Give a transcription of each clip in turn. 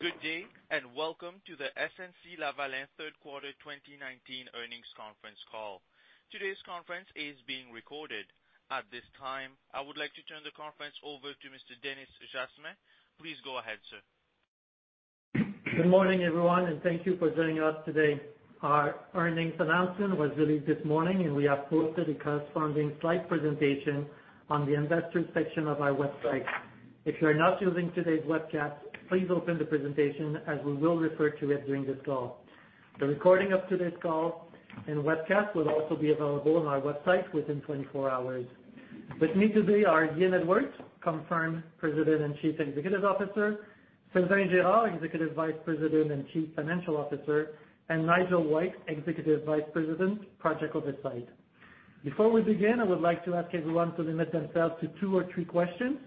Good day, and welcome to the SNC-Lavalin third quarter 2019 earnings conference call. Today's conference is being recorded. At this time, I would like to turn the conference over to Mr. Denis Jasmin. Please go ahead, sir. Good morning, everyone, and thank you for joining us today. Our earnings announcement was released this morning, and we have posted a corresponding slide presentation on the investors section of our website. If you are not using today's webcast, please open the presentation as we will refer to it during this call. The recording of today's call and webcast will also be available on our website within 24 hours. With me today are Ian Edwards, President and Chief Executive Officer, Sylvain Girard, Executive Vice President and Chief Financial Officer, and Nigel White, Executive Vice President Project Oversight. Before we begin, I would like to ask everyone to limit themselves to two or three questions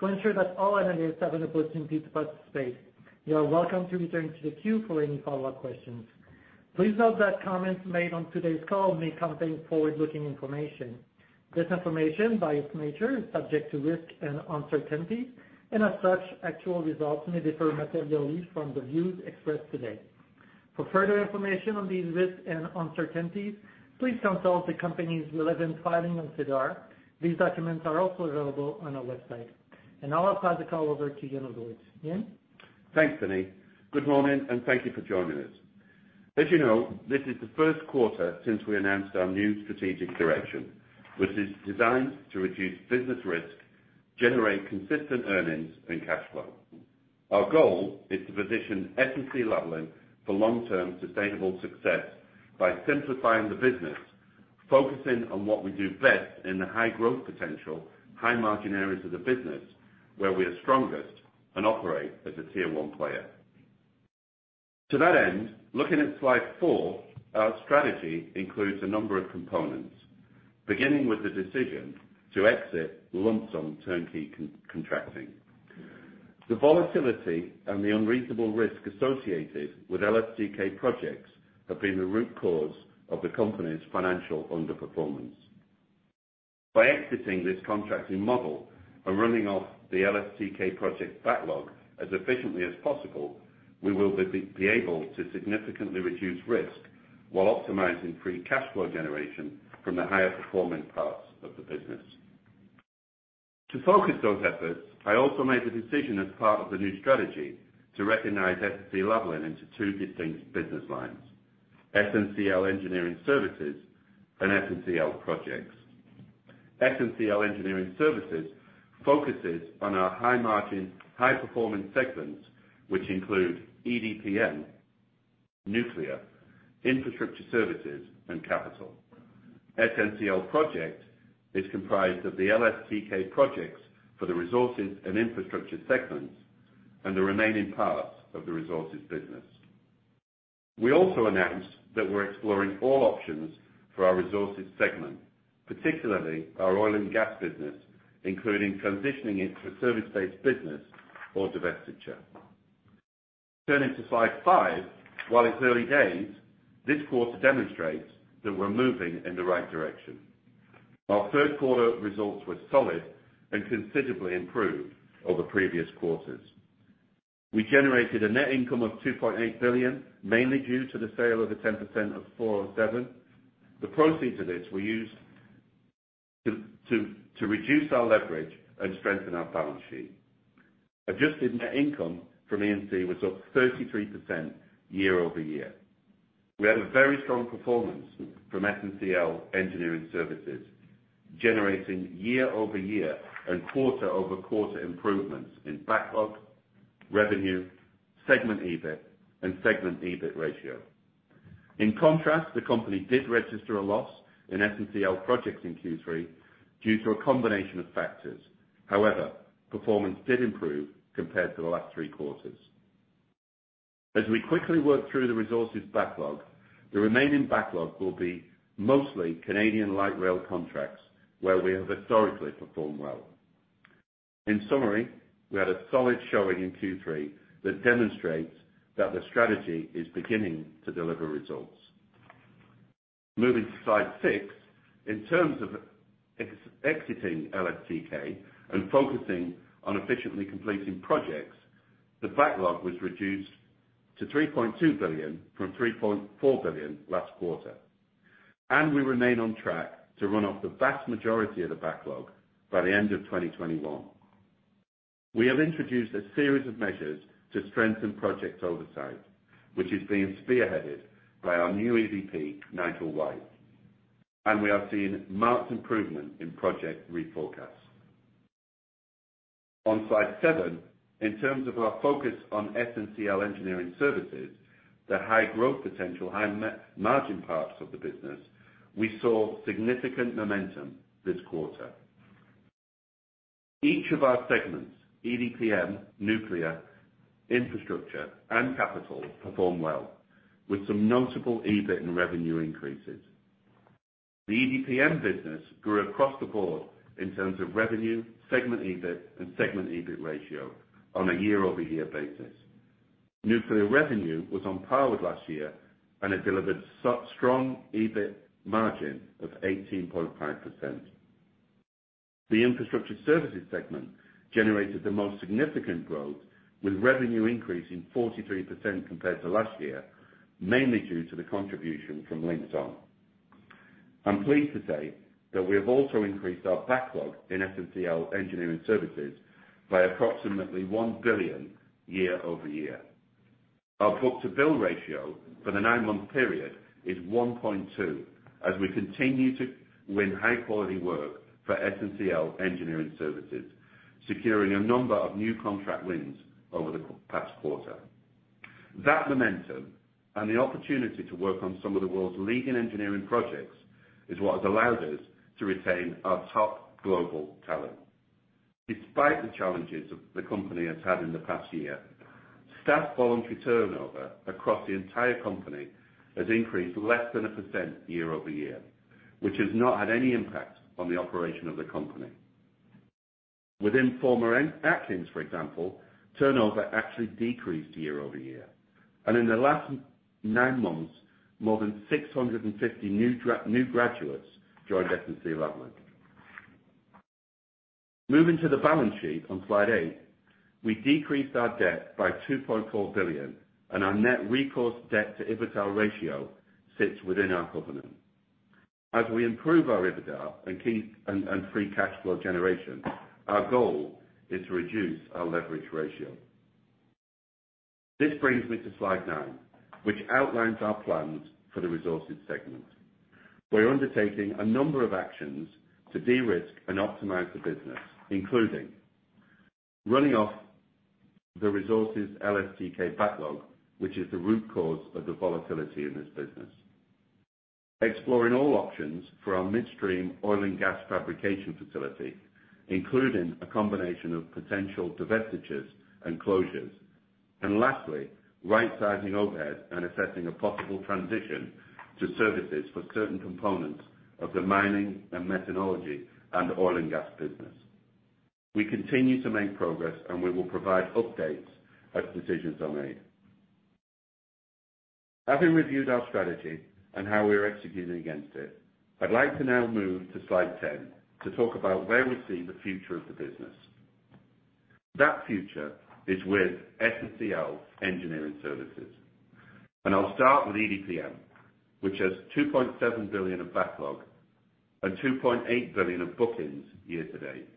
to ensure that all analysts have an opportunity to participate. You are welcome to return to the queue for any follow-up questions. Please note that comments made on today's call may contain forward-looking information. This information, by its nature, is subject to risk and uncertainty, and as such, actual results may differ materially from the views expressed today. For further information on these risks and uncertainties, please consult the company's relevant filing on SEDAR. These documents are also available on our website. Now I'll pass the call over to Ian Edwards. Ian? Thanks, Denis. Good morning, and thank you for joining us. As you know, this is the first quarter since we announced our new strategic direction, which is designed to reduce business risk, generate consistent earnings and cash flow. Our goal is to position SNC-Lavalin for long-term sustainable success by simplifying the business, focusing on what we do best in the high growth potential, high margin areas of the business where we are strongest and operate as a tier 1 player. To that end, looking at slide four, our strategy includes a number of components, beginning with the decision to exit lump-sum turnkey contracting. The volatility and the unreasonable risk associated with LSTK projects have been the root cause of the company's financial underperformance. By exiting this contracting model and running off the LSTK project backlog as efficiently as possible, we will be able to significantly reduce risk while optimizing free cash flow generation from the higher performing parts of the business. To focus those efforts, I also made the decision as part of the new strategy to recognize SNC-Lavalin into two distinct business lines, SNCL Engineering Services and SNCL Projects. SNCL Engineering Services focuses on our high margin, high performing segments, which include EDPM, nuclear, infrastructure services, and capital. SNCL Projects is comprised of the LSTK projects for the resources and infrastructure segments and the remaining parts of the resources business. We also announced that we're exploring all options for our resources segment, particularly our oil and gas business, including transitioning it to a service-based business or divestiture. Turning to slide five. While it's early days, this quarter demonstrates that we are moving in the right direction. Our third quarter results were solid and considerably improved over previous quarters. We generated a net income of 2.8 billion, mainly due to the sale of the 10% of 407. The proceeds of this were used to reduce our leverage and strengthen our balance sheet. Adjusted net income from E&C was up 33% year-over-year. We had a very strong performance from SNCL Engineering Services, generating year-over-year and quarter-over-quarter improvements in backlog, revenue, segment EBIT, and segment EBIT ratio. In contrast, the company did register a loss in SNCL Projects in Q3 due to a combination of factors. Performance did improve compared to the last three quarters. As we quickly work through the resources backlog, the remaining backlog will be mostly Canadian light rail contracts, where we have historically performed well. In summary, we had a solid showing in Q3 that demonstrates that the strategy is beginning to deliver results. Moving to slide six, in terms of exiting LSTK and focusing on efficiently completing projects, the backlog was reduced to 3.2 billion from 3.4 billion last quarter, and we remain on track to run off the vast majority of the backlog by the end of 2021. We have introduced a series of measures to strengthen project oversight, which is being spearheaded by our new EVP, Nigel White, and we are seeing marked improvement in project reforecast. On slide seven, in terms of our focus on SNCL Engineering Services, the high growth potential, high margin parts of the business, we saw significant momentum this quarter. Each of our segments, EDPM, nuclear, infrastructure, and capital, performed well with some notable EBIT and revenue increases. The EDPM business grew across the board in terms of revenue, segment EBIT, and segment EBIT ratio on a year-over-year basis. Nuclear revenue was on par with last year, and it delivered strong EBIT margin of 18.5%. The infrastructure services segment generated the most significant growth, with revenue increasing 43% compared to last year, mainly due to the contribution from Linxon. I'm pleased to say that we have also increased our backlog in SNCL Engineering Services by approximately CAD 1 billion year-over-year. Our book-to-bill ratio for the nine-month period is 1.2, as we continue to win high-quality work for SNCL Engineering Services, securing a number of new contract wins over the past quarter. That momentum and the opportunity to work on some of the world's leading engineering projects is what has allowed us to retain our top global talent. Despite the challenges the company has had in the past year, staff voluntary turnover across the entire company has increased less than 1% year-over-year, which has not had any impact on the operation of the company. Within former Atkins, for example, turnover actually decreased year-over-year, and in the last nine months, more than 650 new graduates joined SNC-Lavalin. Moving to the balance sheet on slide eight, we decreased our debt by 2.4 billion, and our net recourse debt to EBITDA ratio sits within our covenant. As we improve our EBITDA and free cash flow generation, our goal is to reduce our leverage ratio. This brings me to slide nine, which outlines our plans for the resources segment. We are undertaking a number of actions to de-risk and optimize the business, including running off the Resources LSTK backlog, which is the root cause of the volatility in this business. Exploring all options for our midstream oil and gas fabrication facility, including a combination of potential divestitures and closures. Lastly, right-sizing overhead and assessing a possible transition to services for certain components of the mining and metallurgy and oil and gas business. We continue to make progress, and we will provide updates as decisions are made. Having reviewed our strategy and how we are executing against it, I'd like to now move to slide 10 to talk about where we see the future of the business. That future is with SNCL Engineering Services, and I'll start with EDPM, which has 2.7 billion of backlog and 2.8 billion of bookings year to date.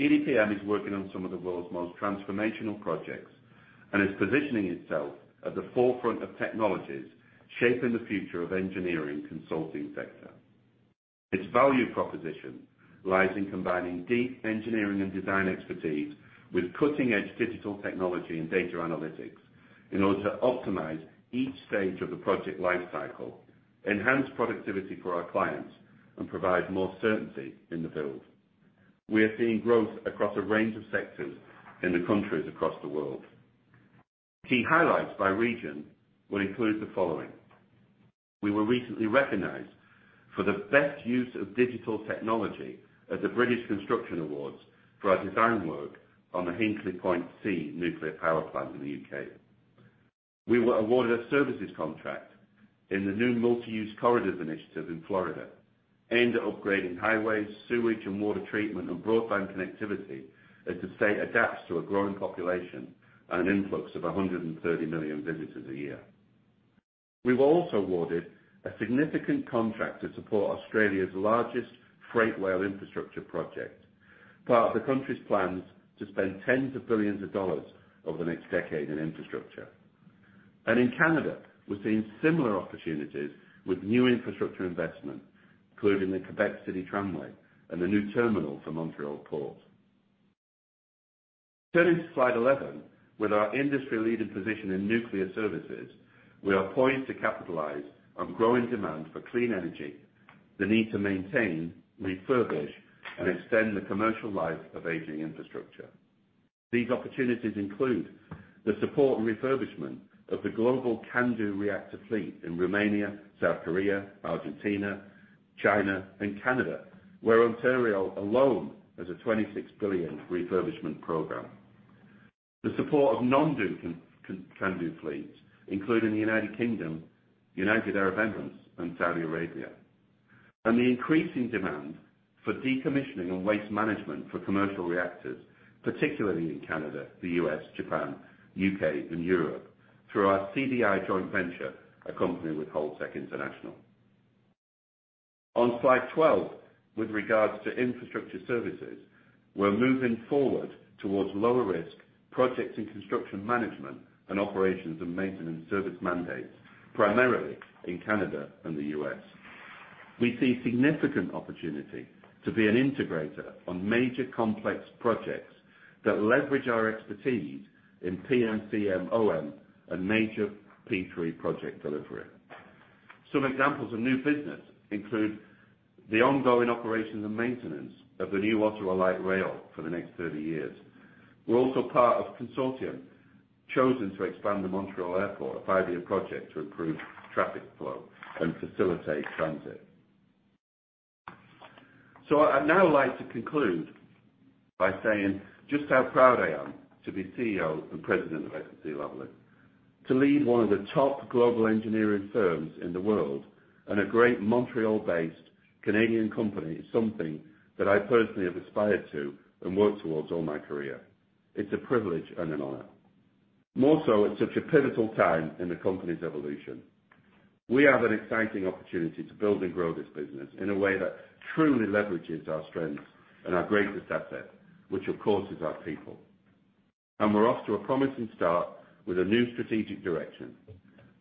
EDPM is working on some of the world's most transformational projects and is positioning itself at the forefront of technologies shaping the future of engineering consulting sector. Its value proposition lies in combining deep engineering and design expertise with cutting-edge digital technology and data analytics in order to optimize each stage of the project life cycle, enhance productivity for our clients, and provide more certainty in the build. We are seeing growth across a range of sectors in the countries across the world. Key highlights by region will include the following. We were recently recognized for the best use of digital technology at the British Construction Awards for our design work on the Hinkley Point C nuclear power plant in the U.K. We were awarded a services contract in the new Multi-Use Corridors Initiative in Florida, aimed at upgrading highways, sewage and water treatment, and broadband connectivity as the state adapts to a growing population and an influx of 130 million visitors a year. We were also awarded a significant contract to support Australia's largest freight rail infrastructure project, part of the country's plans to spend tens of billions of CAD over the next decade in infrastructure. In Canada, we're seeing similar opportunities with new infrastructure investment, including the Quebec City Tramway and a new terminal for Montreal Port. Turning to slide 11, with our industry-leading position in nuclear services, we are poised to capitalize on growing demand for clean energy, the need to maintain, refurbish, and extend the commercial life of aging infrastructure. These opportunities include the support and refurbishment of the global CANDU reactor fleet in Romania, South Korea, Argentina, China, and Canada, where Ontario alone has a 26 billion refurbishment program. The support of non-CANDU fleets, including the United Kingdom, United Arab Emirates, and Saudi Arabia. The increasing demand for decommissioning and waste management for commercial reactors, particularly in Canada, the U.S., Japan, U.K., and Europe, through our CDI joint venture, a company with Holtec International. On slide 12, with regards to infrastructure services, we're moving forward towards lower-risk projects in construction management and operations and maintenance service mandates, primarily in Canada and the U.S. We see significant opportunity to be an integrator on major complex projects that leverage our expertise in P&CM/OM and major P3 project delivery. Some examples of new business include the ongoing operations and maintenance of the new Ottawa Light Rail for the next 30 years. We're also part of a consortium chosen to expand the Montreal Airport, a five-year project to improve traffic flow and facilitate transit. I'd now like to conclude by saying just how proud I am to be CEO and President of SNC-Lavalin. To lead one of the top global engineering firms in the world and a great Montreal-based Canadian company is something that I personally have aspired to and worked towards all my career. It's a privilege and an honor, more so at such a pivotal time in the company's evolution. We have an exciting opportunity to build and grow this business in a way that truly leverages our strengths and our greatest asset, which, of course, is our people. We're off to a promising start with a new strategic direction.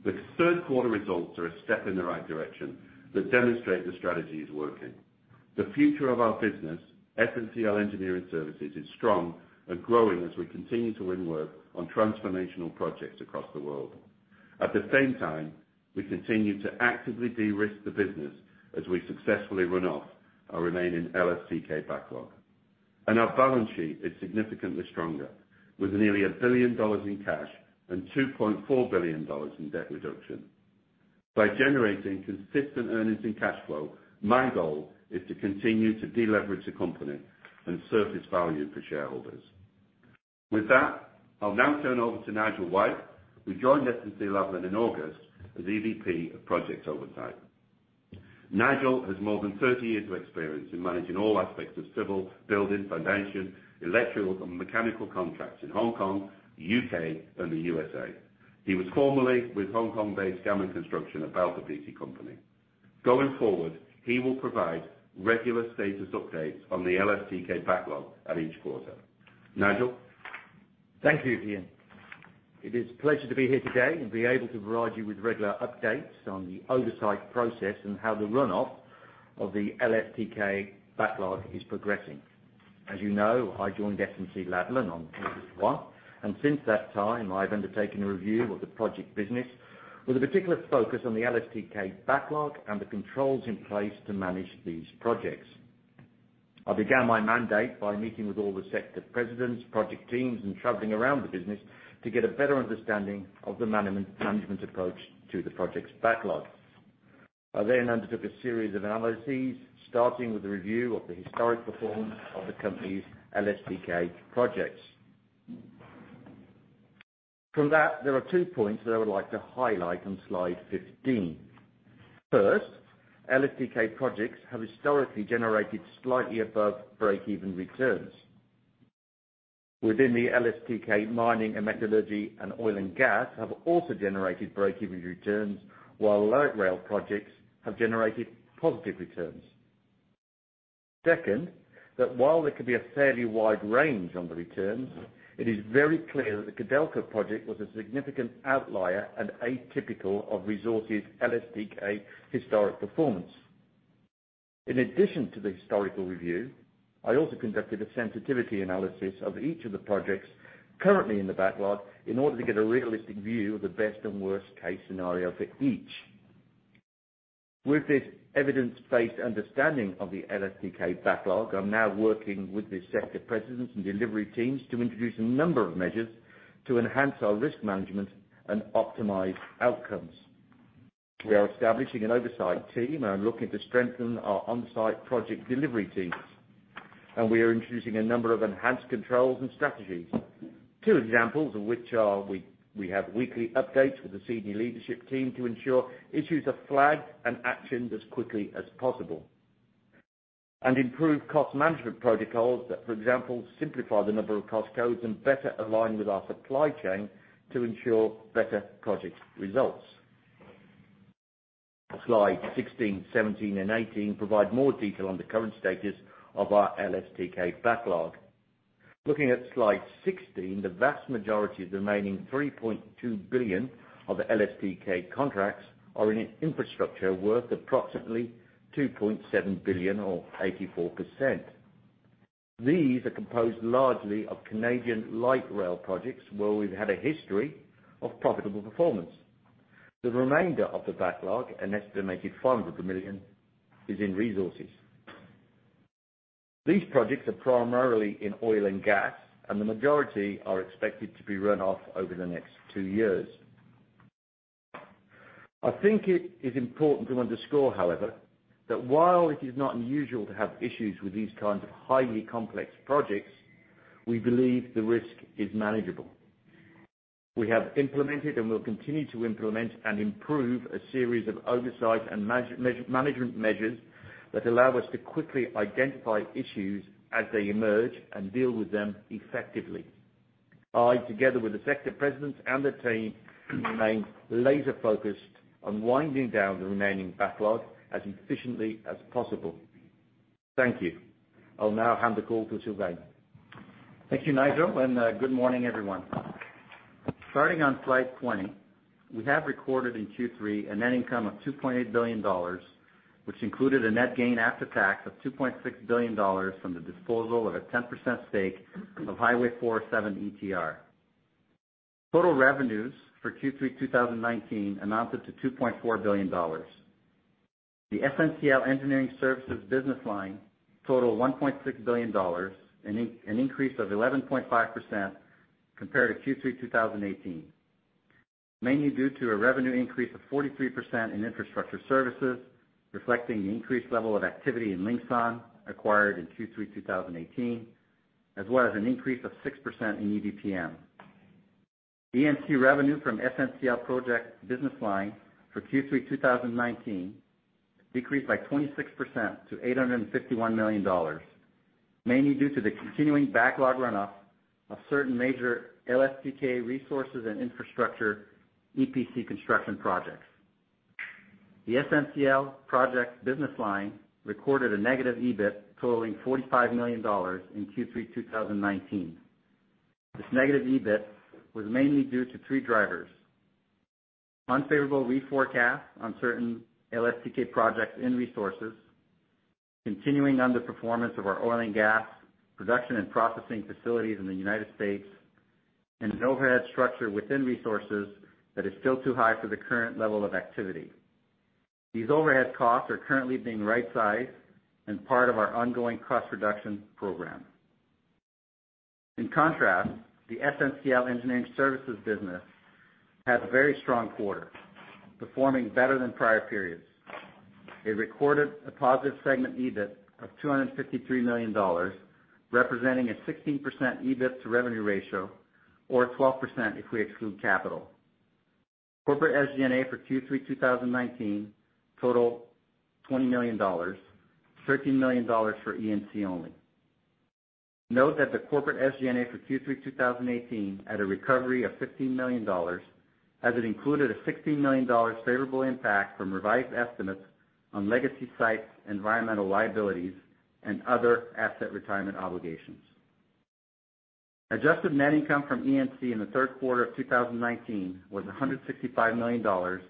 The third quarter results are a step in the right direction that demonstrate the strategy is working. The future of our business, SNCL Engineering Services, is strong and growing as we continue to win work on transformational projects across the world. At the same time, we continue to actively de-risk the business as we successfully run off our remaining LSTK backlog. Our balance sheet is significantly stronger, with nearly 1 billion dollars in cash and 2.4 billion dollars in debt reduction. By generating consistent earnings and cash flow, my goal is to continue to de-leverage the company and preserve its value for shareholders. With that, I'll now turn over to Nigel White, who joined SNC-Lavalin in August as EVP of Project Oversight. Nigel has more than 30 years of experience in managing all aspects of civil, building, foundation, electrical, and mechanical contracts in Hong Kong, U.K., and the U.S.A. He was formerly with Hong Kong-based Gammon Construction, a Balfour Beatty company. Going forward, he will provide regular status updates on the LSTK backlog at each quarter. Nigel? Thank you, Ian. It is a pleasure to be here today and be able to provide you with regular updates on the oversight process and how the runoff of the LSTK backlog is progressing. Since that time, I've undertaken a review of the project business with a particular focus on the LSTK backlog and the controls in place to manage these projects. I began my mandate by meeting with all the sector presidents, project teams, and traveling around the business to get a better understanding of the management approach to the project's backlog. I undertook a series of analyses, starting with the review of the historic performance of the company's LSTK projects. From that, there are two points that I would like to highlight on slide 15. First, LSTK projects have historically generated slightly above break-even returns. Within the LSTK, mining and metallurgy and oil and gas have also generated break-even returns, while light rail projects have generated positive returns. While there can be a fairly wide range on the returns, it is very clear that the Codelco project was a significant outlier and atypical of resources LSTK historic performance. In addition to the historical review, I also conducted a sensitivity analysis of each of the projects currently in the backlog in order to get a realistic view of the best and worst case scenario for each. With this evidence-based understanding of the LSTK backlog, I'm now working with the sector presidents and delivery teams to introduce a number of measures to enhance our risk management and optimize outcomes. We are establishing an oversight team and are looking to strengthen our on-site project delivery teams. We are introducing a number of enhanced controls and strategies. Two examples of which are we have weekly updates with the senior leadership team to ensure issues are flagged and actioned as quickly as possible, and improve cost management protocols that, for example, simplify the number of cost codes and better align with our supply chain to ensure better project results. Slides 16, 17, and 18 provide more detail on the current status of our LSTK backlog. Looking at slide 16, the vast majority of the remaining 3.2 billion of the LSTK contracts are in infrastructure worth approximately 2.7 billion, or 84%. These are composed largely of Canadian light rail projects, where we've had a history of profitable performance. The remainder of the backlog, an estimated 500 million, is in resources. These projects are primarily in oil and gas, and the majority are expected to be run off over the next two years. I think it is important to underscore, however, that while it is not unusual to have issues with these kinds of highly complex projects, we believe the risk is manageable. We have implemented and will continue to implement and improve a series of oversight and management measures that allow us to quickly identify issues as they emerge and deal with them effectively. I, together with the sector presidents and the team, remain laser-focused on winding down the remaining backlog as efficiently as possible. Thank you. I'll now hand the call to Sylvain. Thank you, Nigel. Good morning, everyone. Starting on slide 20, we have recorded in Q3 a net income of 2.8 billion dollars, which included a net gain after tax of 2.6 billion dollars from the disposal of a 10% stake of Highway 407 ETR. Total revenues for Q3 2019 amounted to 2.4 billion dollars. The SNCL Engineering Services business line totaled 1.6 billion dollars, an increase of 11.5% compared to Q3 2018. Mainly due to a revenue increase of 43% in infrastructure services, reflecting the increased level of activity in Linxon, acquired in Q3 2018, as well as an increase of 6% in EDPM. ENC revenue from SNCL Projects business line for Q3 2019 decreased by 26% to 851 million dollars, mainly due to the continuing backlog runoff of certain major LSTK resources and infrastructure EPC construction projects. The SNCL Projects business line recorded a negative EBIT totaling 45 million dollars in Q3 2019. This negative EBIT was mainly due to three drivers. Unfavorable reforecast on certain LSTK projects in Resources, continuing underperformance of our oil and gas production and processing facilities in the U.S., and an overhead structure within Resources that is still too high for the current level of activity. These overhead costs are currently being rightsized and part of our ongoing cost reduction program. The SNCL Engineering Services business had a very strong quarter, performing better than prior periods. It recorded a positive segment EBIT of 253 million dollars, representing a 16% EBIT to revenue ratio, or 12% if we exclude capital. Corporate SG&A for Q3 2019 totaled 20 million dollars, 13 million dollars for ENC only. Note that the corporate SG&A for Q3 2018 had a recovery of 15 million dollars, as it included a 16 million dollars favorable impact from revised estimates on legacy sites' environmental liabilities and other asset retirement obligations. Adjusted net income from ENC in the third quarter of 2019 was 165 million dollars,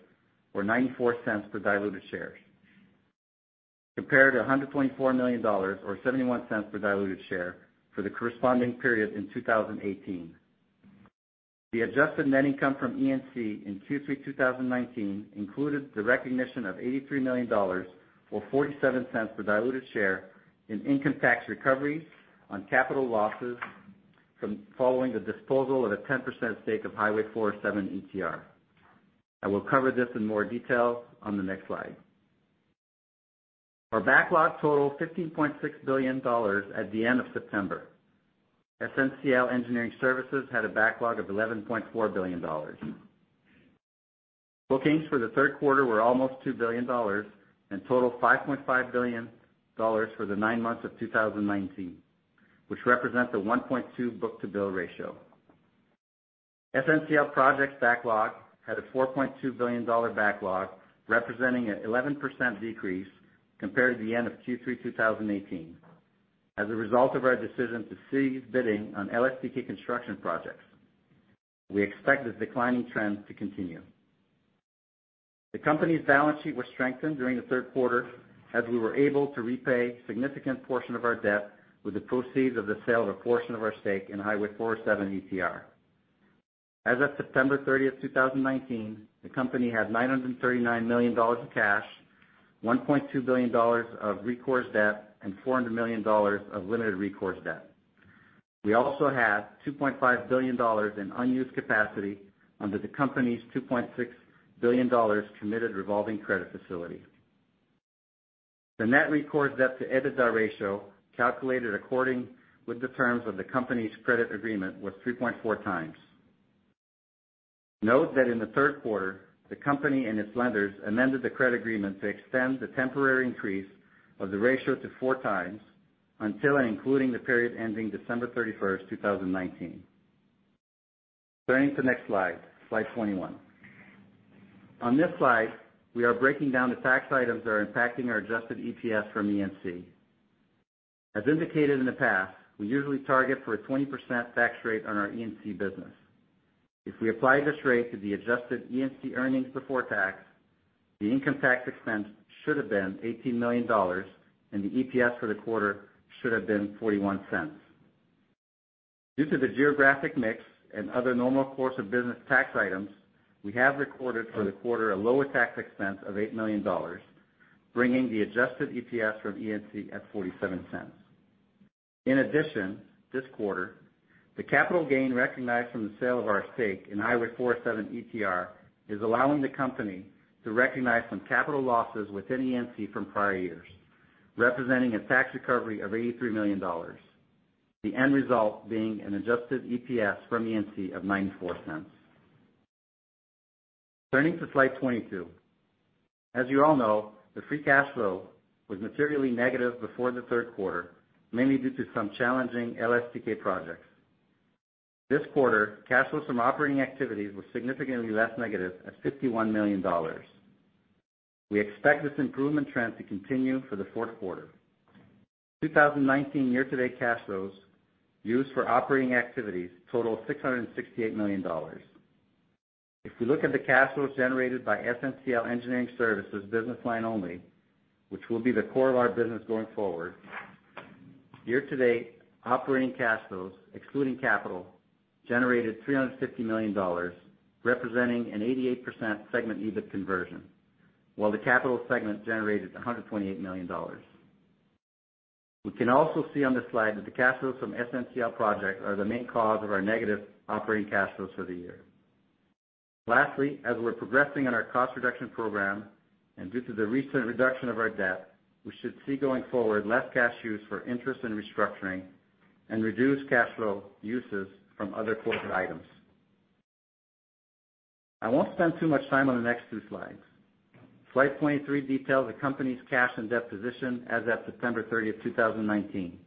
or 0.94 per diluted share, compared to 124 million dollars, or 0.71 per diluted share for the corresponding period in 2018. The adjusted net income from ENC in Q3 2019 included the recognition of 83 million dollars, or 0.47 per diluted share, in income tax recoveries on capital losses from following the disposal of a 10% stake of Highway 407 ETR. I will cover this in more detail on the next slide. Our backlog totaled 15.6 billion dollars at the end of September. SNCL Engineering Services had a backlog of 11.4 billion dollars. Bookings for the third quarter were almost 2 billion dollars and totaled 5.5 billion dollars for the nine months of 2019, which represents a 1.2 book-to-bill ratio. SNCL Projects backlog had a 4.2 billion dollar backlog, representing an 11% decrease compared to the end of Q3 2018. As a result of our decision to cease bidding on LSTK construction projects, we expect this declining trend to continue. The company's balance sheet was strengthened during the third quarter as we were able to repay significant portion of our debt with the proceeds of the sale of a portion of our stake in Highway 407 ETR. As of September 30th, 2019, the company had 939 million dollars of cash, 1.2 billion dollars of recourse debt, and 400 million dollars of limited recourse debt. We also have 2.5 billion dollars in unused capacity under the company's 2.6 billion dollars committed revolving credit facility. The net recourse debt to EBITDA ratio, calculated according with the terms of the company's credit agreement, was 3.4 times. Note that in the third quarter, the company and its lenders amended the credit agreement to extend the temporary increase of the ratio to four times until and including the period ending December 31st, 2019. Turning to next slide 21. On this slide, we are breaking down the tax items that are impacting our adjusted EPS from ENC. As indicated in the past, we usually target for a 20% tax rate on our ENC business. If we apply this rate to the adjusted ENC earnings before tax, the income tax expense should have been 18 million dollars, and the EPS for the quarter should have been 0.41. Due to the geographic mix and other normal course of business tax items, we have recorded for the quarter a lower tax expense of 8 million dollars, bringing the adjusted EPS from ENC at 0.47. In addition, this quarter, the capital gain recognized from the sale of our stake in Highway 407 ETR is allowing the company to recognize some capital losses within ENC from prior years, representing a tax recovery of 83 million dollars. The end result being an adjusted EPS from ENC of 0.94. Turning to slide 22. As you all know, the free cash flow was materially negative before the third quarter, mainly due to some challenging LSTK projects. This quarter, cash flows from operating activities were significantly less negative at 51 million dollars. We expect this improvement trend to continue for the fourth quarter. 2019 year-to-date cash flows used for operating activities total 668 million dollars. If we look at the cash flows generated by SNCL Engineering Services business line only, which will be the core of our business going forward, year to date, operating cash flows, excluding capital, generated 350 million dollars, representing an 88% segment EBIT conversion, while the capital segment generated 128 million dollars. We can also see on this slide that the cash flows from SNCL Projects are the main cause of our negative operating cash flows for the year. Lastly, as we're progressing on our cost reduction program, and due to the recent reduction of our debt, we should see going forward, less cash use for interest and restructuring and reduced cash flow uses from other corporate items. I won't spend too much time on the next two slides. Slide 23 details the company's cash and debt position as at September 30th, 2019.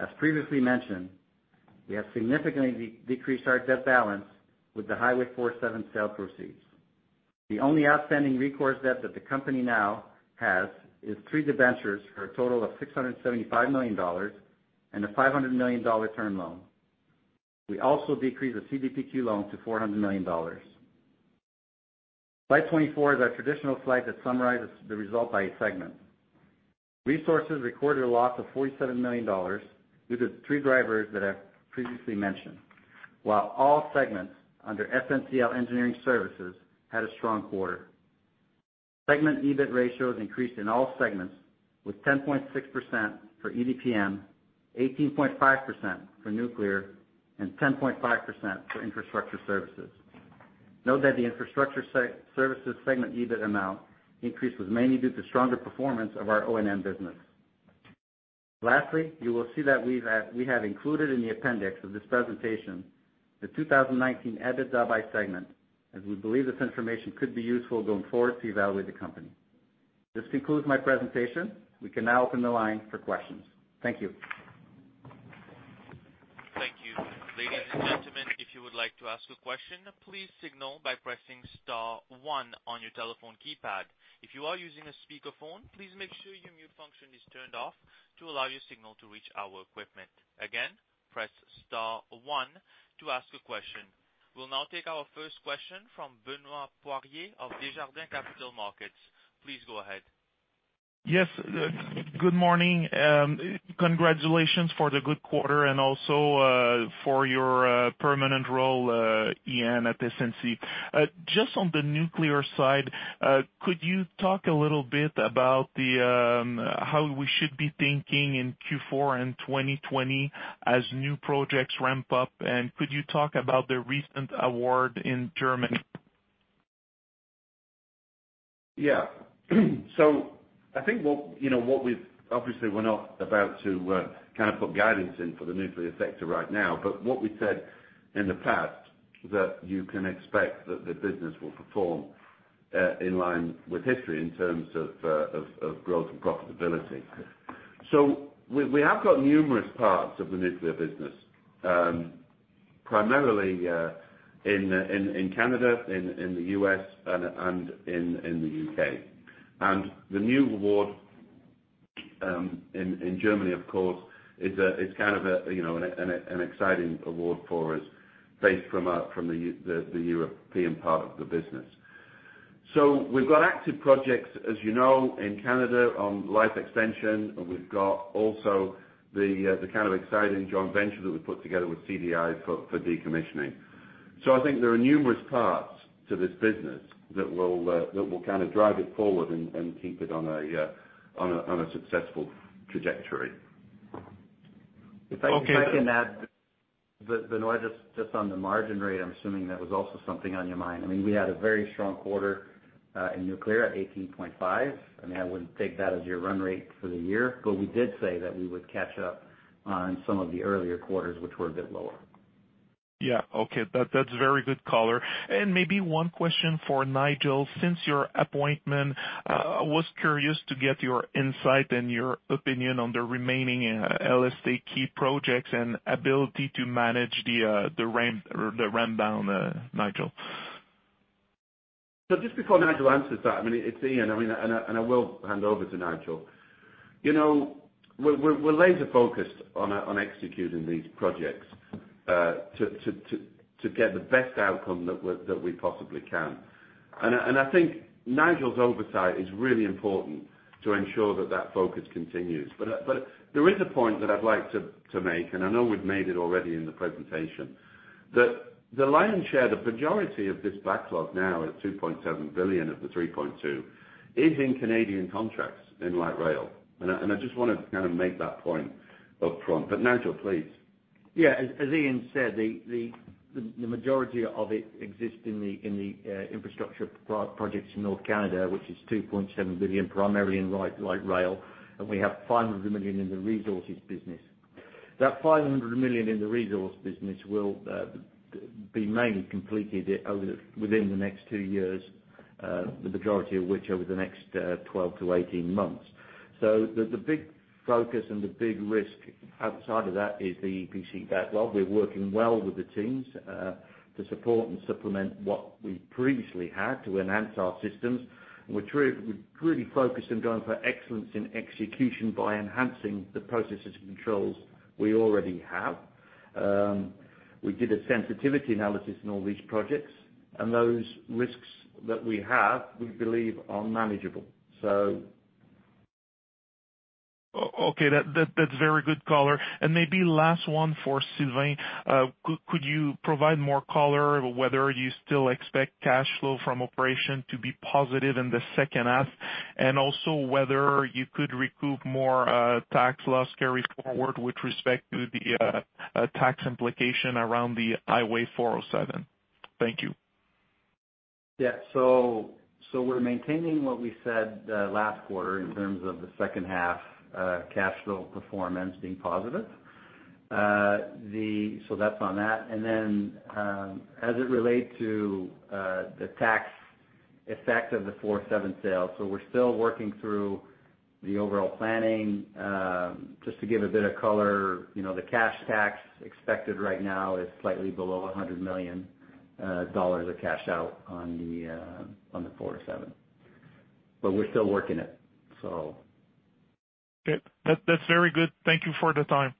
As previously mentioned, we have significantly decreased our debt balance with the Highway 407 sale proceeds. The only outstanding recourse debt that the company now has is three debentures for a total of 675 million dollars and a 500 million dollar term loan. We also decreased the CDPQ loan to 400 million dollars. Slide 24 is our traditional slide that summarizes the result by segment. Resources recorded a loss of 47 million dollars due to the three drivers that I've previously mentioned. While all segments under SNCL Engineering Services had a strong quarter. Segment EBIT ratios increased in all segments with 10.6% for EDPM, 18.5% for nuclear, and 10.5% for infrastructure services. Note that the infrastructure services segment EBIT amount increase was mainly due to stronger performance of our O&M business. Lastly, you will see that we have included in the appendix of this presentation the 2019 EBITDA by segment, as we believe this information could be useful going forward to evaluate the company. This concludes my presentation. We can now open the line for questions. Thank you. Thank you. Ladies and gentlemen, if you would like to ask a question, please signal by pressing star one on your telephone keypad. If you are using a speakerphone, please make sure your mute function is turned off to allow your signal to reach our equipment. Again, press star one to ask a question. We'll now take our first question from Benoit Poirier of Desjardins Capital Markets. Please go ahead. Yes. Good morning. Congratulations for the good quarter and also for your permanent role, Ian, at SNC. Just on the nuclear side, could you talk a little bit about how we should be thinking in Q4 and 2020 as new projects ramp up? Could you talk about the recent award in Germany? Obviously, we're not about to kind of put guidance in for the nuclear sector right now, but what we said in the past, that you can expect that the business will perform in line with history in terms of growth and profitability. We've got numerous parts of the nuclear business, primarily in Canada, in the U.S., and in the U.K. The new award in Germany, of course, it's kind of an exciting award for us based from the European part of the business. We've got active projects, as you know, in Canada on life extension. We've got also the kind of exciting joint venture that we put together with CDI for decommissioning. I think there are numerous parts to this business that will kind of drive it forward and keep it on a successful trajectory. Okay. If I can add, Benoit, just on the margin rate, I'm assuming that was also something on your mind. We had a very strong quarter in nuclear at 18.5%. I wouldn't take that as your run rate for the year, but we did say that we would catch up on some of the earlier quarters, which were a bit lower. Yeah. Okay. That's very good color. Maybe one question for Nigel. Since your appointment, I was curious to get your insight and your opinion on the remaining LSTK projects and ability to manage the ramp-down, Nigel. Just before Nigel answers that, it's Ian. I will hand over to Nigel. We're laser focused on executing these projects to get the best outcome that we possibly can. I think Nigel's oversight is really important to ensure that that focus continues. There is a point that I'd like to make. I know we've made it already in the presentation, that the lion's share, the majority of this backlog now at 2.7 billion of the 3.2 billion, is in Canadian contracts in light rail. I just want to kind of make that point up front. Nigel, please. As Ian said, the majority of it exists in the infrastructure projects in North Canada, which is 2.7 billion, primarily in light rail. We have 500 million in the resources business. That 500 million in the resource business will be mainly completed within the next two years, the majority of which over the next 12 to 18 months. The big focus and the big risk outside of that is the EPC backlog. We're working well with the teams to support and supplement what we previously had to enhance our systems, and we're truly focused on going for excellence in execution by enhancing the processes and controls we already have. We did a sensitivity analysis on all these projects, and those risks that we have, we believe are manageable. Okay. That's very good color. Maybe last one for Sylvain. Could you provide more color whether you still expect cash flow from operation to be positive in the second half? Also whether you could recoup more tax loss carry forward with respect to the tax implication around the Highway 407. Thank you. Yeah. We're maintaining what we said last quarter in terms of the second half capital performance being positive. That's on that. As it relates to the tax effect of the 407 sale, so we're still working through the overall planning. Just to give a bit of color, the cash tax expected right now is slightly below 100 million dollars of cash out on the 407. We're still working it. Okay. That's very good. Thank you for the time.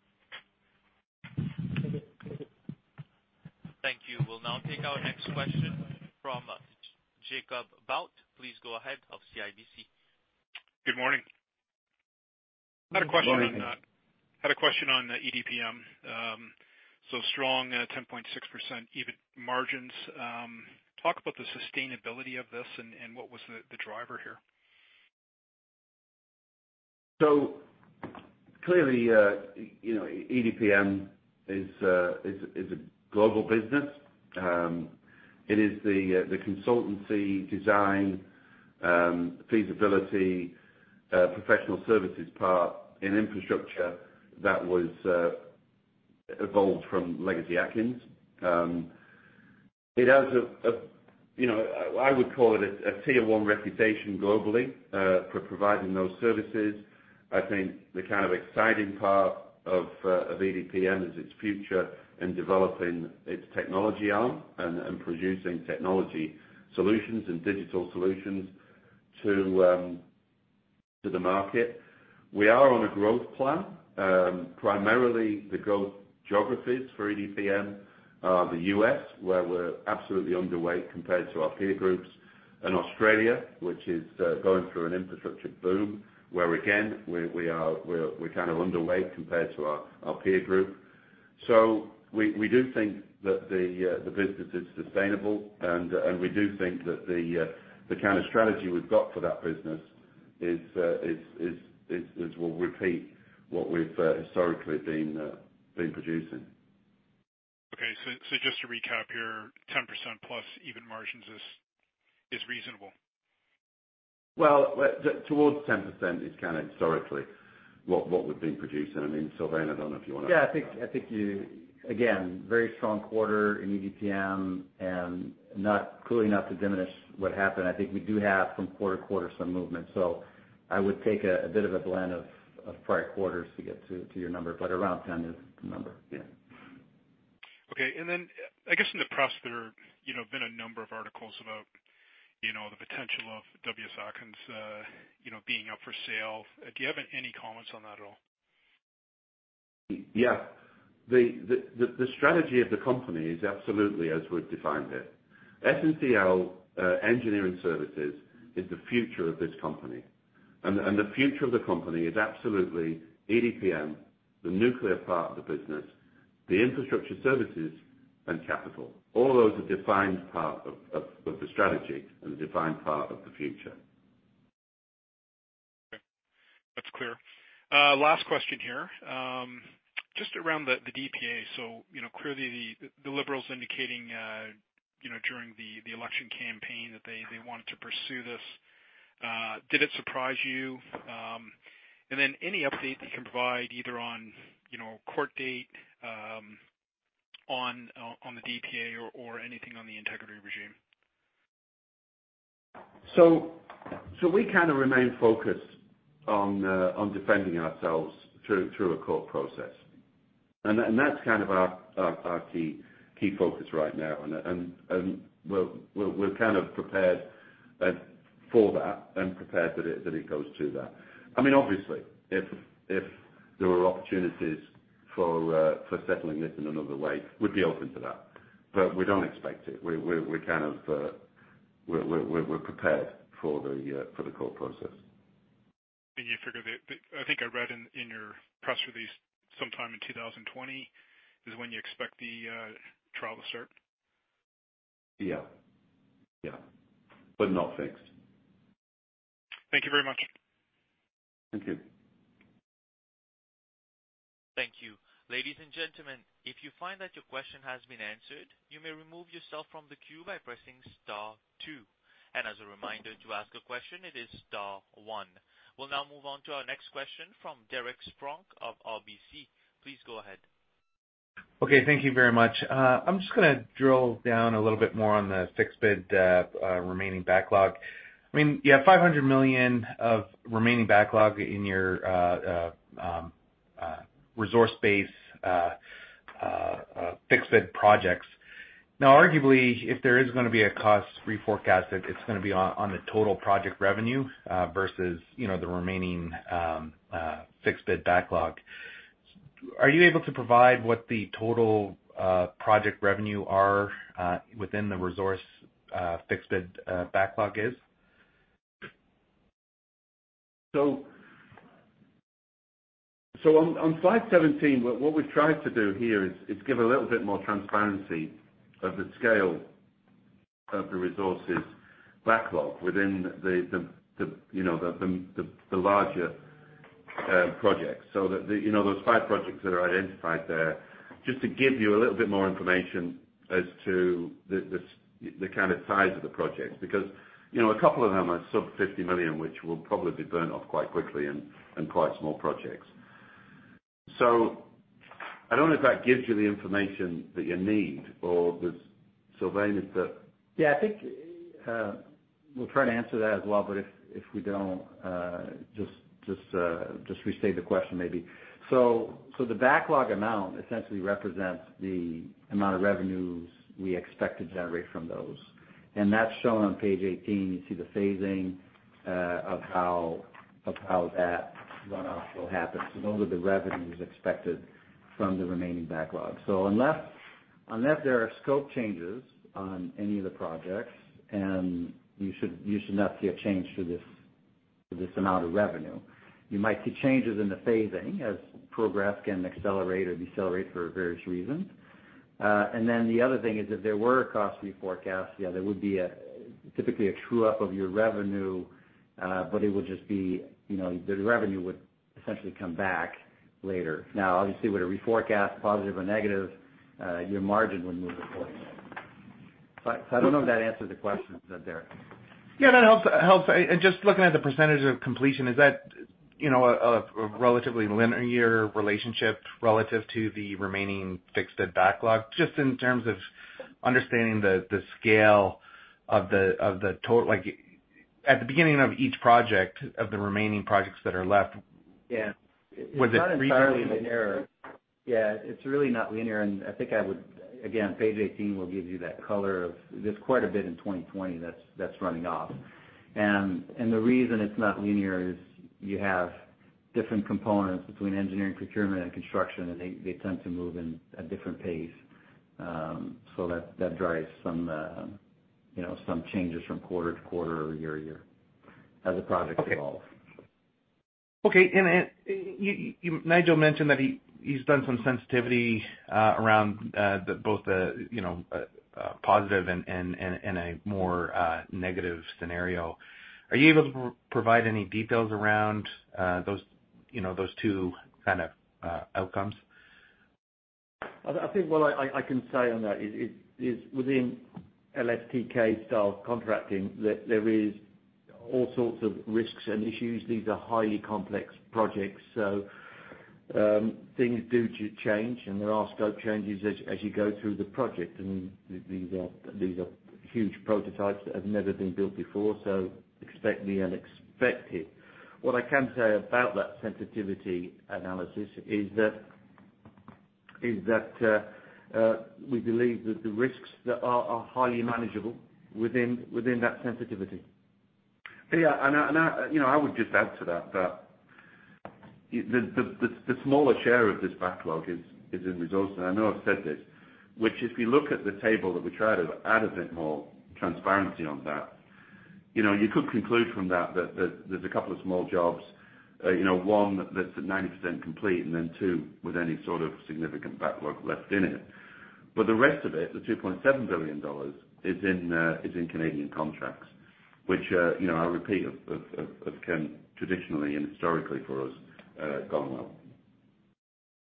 Thank you. We will now take our question from Jacob Bout. Please go ahead, of CIBC. Good morning. Good morning. Had a question on EDPM. Strong 10.6% EBIT margins. Talk about the sustainability of this and what was the driver here. Clearly, EDPM is a global business. It is the consultancy design, feasibility, professional services part in infrastructure that was evolved from Legacy Atkins. I would call it a tier 1 reputation globally for providing those services. I think the kind of exciting part of EDPM is its future in developing its technology arm and producing technology solutions and digital solutions to the market. We are on a growth plan. Primarily the growth geographies for EDPM are the U.S., where we're absolutely underweight compared to our peer groups, and Australia, which is going through an infrastructure boom, where again, we're kind of underweight compared to our peer group. We do think that the business is sustainable, and we do think that the kind of strategy we've got for that business will repeat what we've historically been producing. Okay, just to recap here, 10% plus EBIT margins is reasonable. Well, towards 10% is kind of historically what we've been producing. I mean, Sylvain, I don't know if you want to, yeah, I think, again, very strong quarter in EDPM. Clearly not to diminish what happened. I think we do have from quarter-to-quarter some movement. I would take a bit of a blend of prior quarters to get to your number. Around 10 is the number. Yeah. Okay. I guess in the press there have been a number of articles about the potential of Atkins being up for sale. Do you have any comments on that at all? Yeah. The strategy of the company is absolutely as we've defined it. SNCL Engineering Services is the future of this company. The future of the company is absolutely EDPM, the nuclear part of the business, the infrastructure services, and capital. All those are defined part of the strategy and the defined part of the future. Okay. That's clear. Last question here, just around the DPA. Clearly the Liberals indicating during the election campaign that they wanted to pursue this. Did it surprise you? Any update you can provide either on court date on the DPA or anything on the integrity regime. We kind of remain focused on defending ourselves through a court process. That's kind of our key focus right now. We're kind of prepared for that and prepared that it goes to that. I mean, obviously, if there are opportunities for settling this in another way, we'd be open to that. We don't expect it. We're prepared for the court process. You figure, I think I read in your press release, sometime in 2020 is when you expect the trial to start? Yeah. Not fixed. Thank you very much. Thank you. Thank you. Ladies and gentlemen, if you find that your question has been answered, you may remove yourself from the queue by pressing star 2. As a reminder, to ask a question, it is star 1. We'll now move on to our next question from Derek Spronck of RBC. Please go ahead. Okay. Thank you very much. I'm just going to drill down a little bit more on the fixed bid remaining backlog. I mean, you have 500 million of remaining backlog in your resource base fixed bid projects. Arguably, if there is going to be a cost reforecast, it's going to be on the total project revenue versus the remaining fixed bid backlog. Are you able to provide what the total project revenue are within the resource fixed bid backlog is? On slide 17, what we've tried to do here is give a little bit more transparency of the scale of the resources backlog within the larger projects. Those five projects that are identified there, just to give you a little bit more information as to the kind of size of the projects, because a couple of them are sub 50 million, which will probably be burnt off quite quickly and quite small projects. I don't know if that gives you the information that you need or does Sylvain, is that? Yeah, I think, we'll try to answer that as well, but if we don't, just restate the question maybe. The backlog amount essentially represents the amount of revenues we expect to generate from those. That's shown on page 18. You see the phasing of how that runoff will happen. Those are the revenues expected from the remaining backlog. Unless there are scope changes on any of the projects, you should not see a change to this amount of revenue. You might see changes in the phasing as progress can accelerate or decelerate for various reasons. The other thing is if there were a cost reforecast, yeah, there would be typically a true-up of your revenue, but it would just be the revenue would essentially come back later. Now, obviously with a reforecast, positive or negative, your margin would move accordingly. I don't know if that answered the question, Derek, there. Yeah, that helps. Just looking at the % of completion, is that a relatively linear relationship relative to the remaining fixed backlog? Just in terms of understanding the scale of the total. At the beginning of each project, of the remaining projects that are left. Yeah. Was it previously- It's not entirely linear. Yeah, it's really not linear. I think I would, again, page 18 will give you that color of, there's quite a bit in 2020 that's running off. The reason it's not linear is you have different components between Engineering, Procurement, and Construction, and they tend to move in a different pace. That drives some changes from quarter to quarter or year to year as the projects evolve. Okay. Nigel mentioned that he's done some sensitivity around both the positive and a more negative scenario. Are you able to provide any details around those two kind of outcomes? I think what I can say on that is within LSTK style contracting, there is all sorts of risks and issues. These are highly complex projects, so things do change and there are scope changes as you go through the project. These are huge prototypes that have never been built before, so expect the unexpected. What I can say about that sensitivity analysis is that we believe that the risks are highly manageable within that sensitivity. Yeah, I would just add to that the smaller share of this backlog is in resource, and I know I have said this, which if you look at the table that we try to add a bit more transparency on that, you could conclude from that there are a couple of small jobs, one that is at 90% complete, and then two with any sort of significant backlog left in it. The rest of it, the 2.7 billion dollars, is in Canadian contracts, which, I repeat, have traditionally and historically for us, gone well.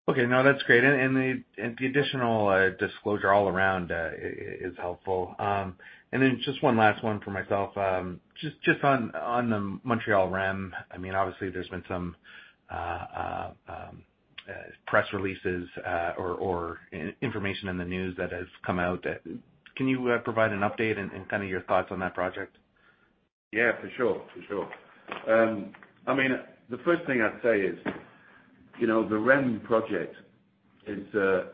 Okay. No, that's great. The additional disclosure all around is helpful. Then just one last one for myself, just on the Montreal REM, obviously there's been some press releases or information in the news that has come out. Can you provide an update and kind of your thoughts on that project? Yeah, for sure. The first thing I'd say is, the REM project is a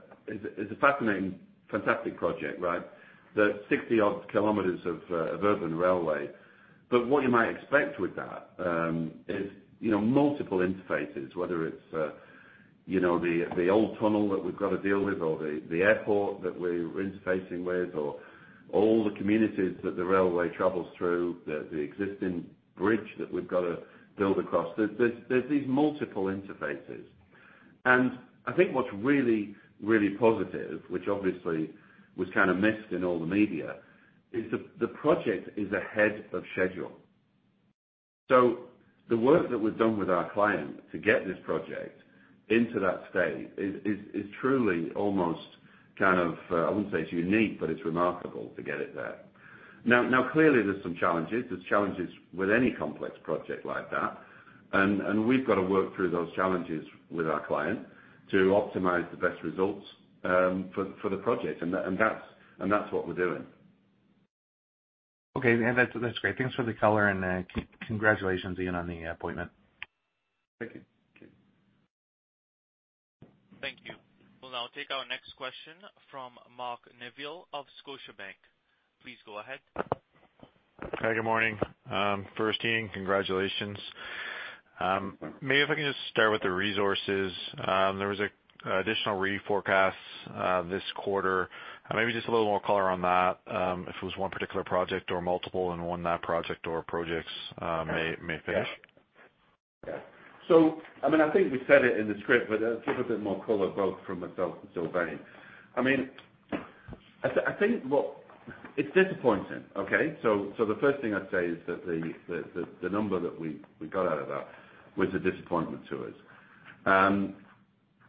fascinating, fantastic project, right? There's 60 odd kilometers of urban railway. What you might expect with that is multiple interfaces, whether it's the old tunnel that we've got to deal with or the airport that we're interfacing with or all the communities that the railway travels through, the existing bridge that we've got to build across. There's these multiple interfaces. I think what's really, really positive, which obviously was kind of missed in all the media, is the project is ahead of schedule. The work that we've done with our client to get this project into that state is truly almost kind of, I wouldn't say it's unique, but it's remarkable to get it there. Now, clearly there's some challenges. There's challenges with any complex project like that, and we've got to work through those challenges with our client to optimize the best results for the project. That's what we're doing. Okay. That's great. Thanks for the color and congratulations, Ian, on the appointment. Thank you. We'll now take our next question from Mark Neville of Scotiabank. Please go ahead. Hi, good morning. First, Ian, congratulations. Maybe if I can just start with the resources. There was additional reforecast this quarter. Maybe just a little more color on that, if it was one particular project or multiple and when that project or projects may finish. Yeah. I think we said it in the script, but I'll give a bit more color, both from myself and Sylvain. I think it's disappointing. Okay? The first thing I'd say is that the number that we got out of that was a disappointment to us.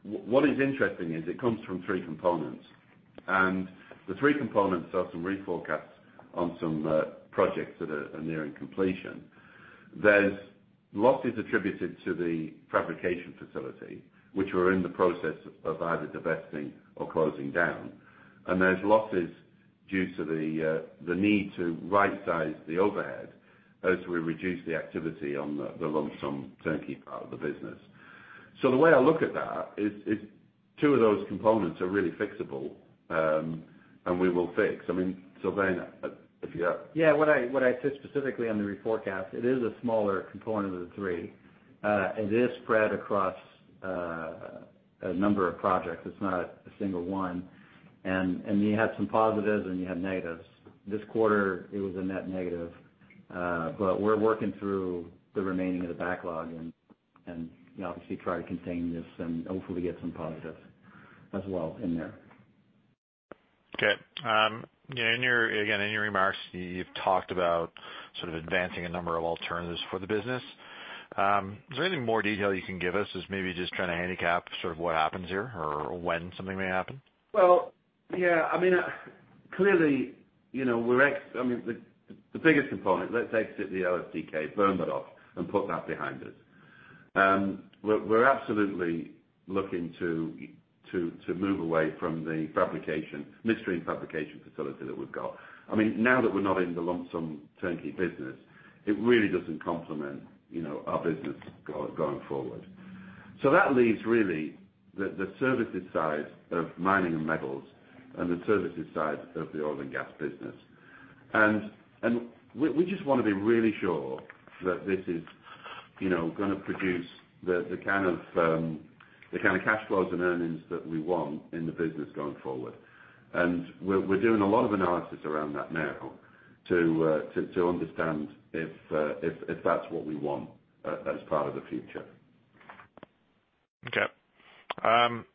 What is interesting is it comes from three components, and the three components are some reforecast on some projects that are nearing completion. There's losses attributed to the fabrication facility, which we're in the process of either divesting or closing down. There's losses due to the need to right size the overhead as we reduce the activity on the lump sum turnkey part of the business. The way I look at that is two of those components are really fixable, and we will fix. Sylvain, if you have- Yeah, what I said specifically on the reforecast, it is a smaller component of the three. It is spread across a number of projects. It's not a single one. You have some positives, and you have negatives. This quarter, it was a net negative. We're working through the remaining of the backlog and obviously try to contain this and hopefully get some positives as well in there. Again, in your remarks, you've talked about sort of advancing a number of alternatives for the business. Is there any more detail you can give us as maybe just trying to handicap sort of what happens here or when something may happen? Well, yeah. Clearly, the biggest component, let's exit the LSTK, burn that off, and put that behind us. We're absolutely looking to move away from the midstream fabrication facility that we've got. Now that we're not in the lump sum turnkey business, it really doesn't complement our business going forward. That leaves really the services side of mining and metals and the services side of the oil and gas business. We just want to be really sure that this is going to produce the kind of cash flows and earnings that we want in the business going forward. We're doing a lot of analysis around that now to understand if that's what we want as part of the future. Okay.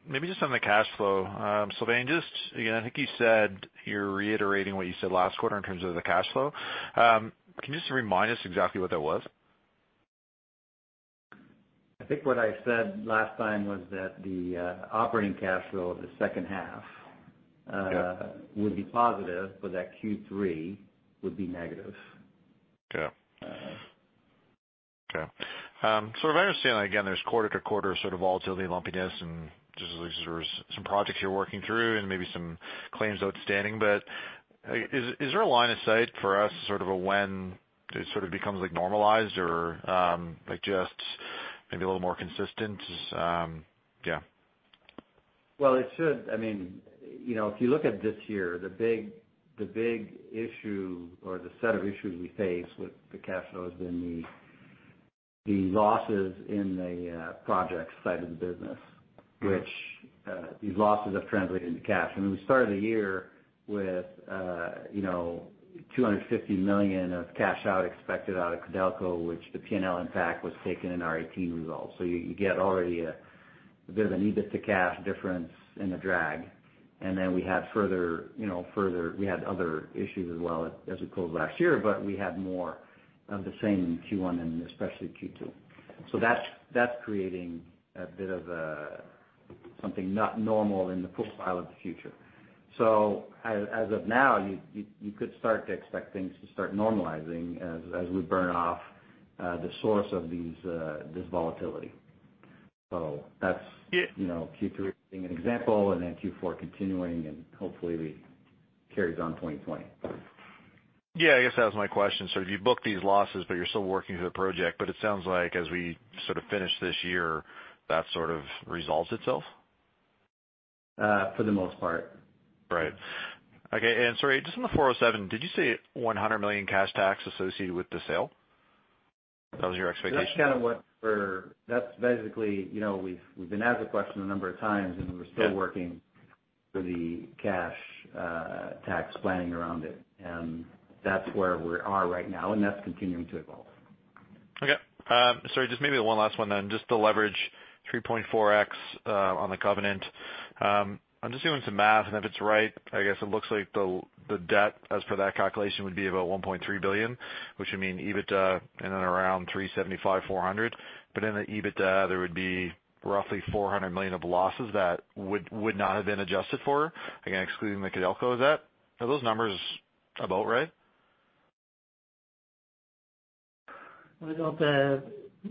Maybe just on the cash flow. Sylvain, I think you said you're reiterating what you said last quarter in terms of the cash flow. Can you just remind us exactly what that was? I think what I said last time was that the operating cash flow of the second half-. Okay would be positive, but that Q3 would be negative. Okay. If I understand, again, there's quarter to quarter sort of volatility, lumpiness, and just there's some projects you're working through and maybe some claims outstanding, is there a line of sight for us, sort of a when it sort of becomes normalized or just maybe a little more consistent? Yeah. It should. If you look at this year, the big issue or the set of issues we face with the cash flow has been the losses in the projects side of the business, which these losses have translated into cash. We started the year with 250 million of cash out expected out of Codelco, which the P&L impact was taken in our 2018 results. You get already a bit of an EBITDA cash difference and a drag. We had other issues as well as we closed last year, but we had more of the same in Q1 and especially Q2. That's creating a bit of something not normal in the profile of the future. As of now, you could start to expect things to start normalizing as we burn off the source of this volatility. That's Q3 being an example, and then Q4 continuing, and hopefully carries on 2020. Yeah, I guess that was my question. If you book these losses, but you're still working through the project, but it sounds like as we sort of finish this year, that sort of resolves itself? For the most part. Right. Okay, sorry, just on the 407, did you say 100 million cash tax associated with the sale? That was your expectation? That's basically, we've been asked the question a number of times, and we're still working through the cash tax planning around it. That's where we are right now, and that's continuing to evolve. Okay. Sorry, just maybe one last one then. Just to leverage 3.4x on the covenant. I am just doing some math, and if it is right, I guess it looks like the debt as per that calculation would be about 1.3 billion, which would mean EBITDA in and around 375 million, 400 million. In the EBITDA, there would be roughly 400 million of losses that would not have been adjusted for, again, excluding the Codelco of that. Are those numbers about right?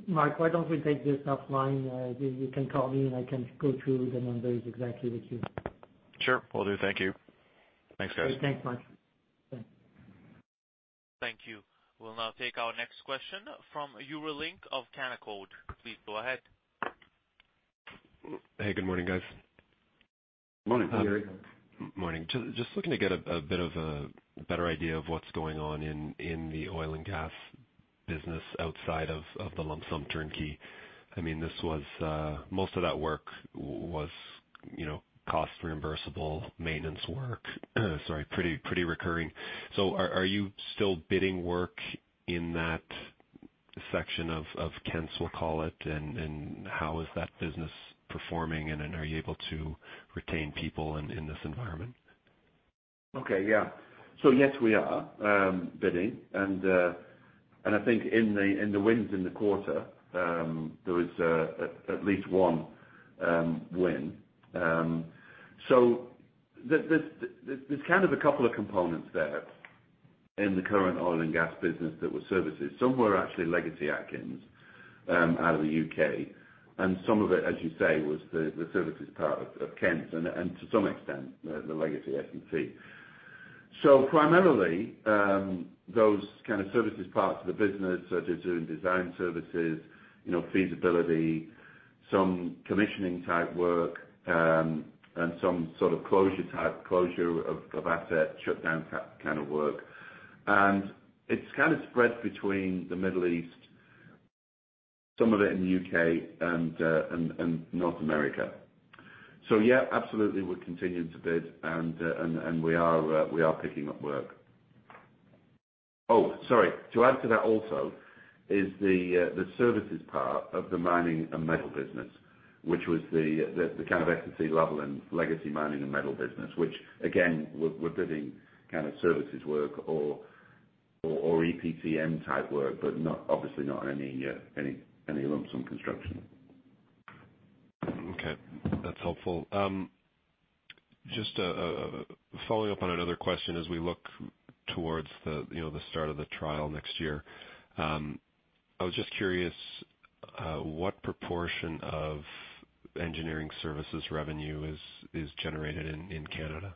Mark, why don't we take this offline? You can call me, and I can go through the numbers exactly with you. Sure, will do. Thank you. Thanks, guys. Thanks, Mark. Thank you. We'll now take our next question from Yuri of Canaccord. Please go ahead. Hey, good morning, guys. Morning. Morning. Just looking to get a bit of a better idea of what's going on in the oil and gas business outside of the lump sum turnkey. I mean, most of that work was cost reimbursable maintenance work. Sorry, pretty recurring. Are you still bidding work in that section of Kentz, we'll call it, and how is that business performing? Are you able to retain people in this environment? Okay. Yeah. Yes, we are bidding, and I think in the wins in the quarter, there is at least one win. There's kind of a couple of components there in the current oil and gas business that were services. Some were actually Legacy Atkins out of the U.K., and some of it, as you say, was the services part of Kentz and to some extent, the Legacy SNC. Primarily, those kind of services parts of the business are just doing design services, feasibility, some commissioning type work, and some sort of closure of asset shutdown kind of work. It's kind of spread between the Middle East, some of it in the U.K. and North America. Yeah, absolutely, we're continuing to bid and we are picking up work. Oh, sorry. To add to that also is the services part of the mining and metal business, which was the kind of SNC-Lavalin legacy mining and metal business, which again, we're bidding kind of services work or EPCM type work, but obviously not any lump sum construction. Okay, that's helpful. Following up on another question as we look towards the start of the trial next year, I was just curious, what proportion of engineering services revenue is generated in Canada?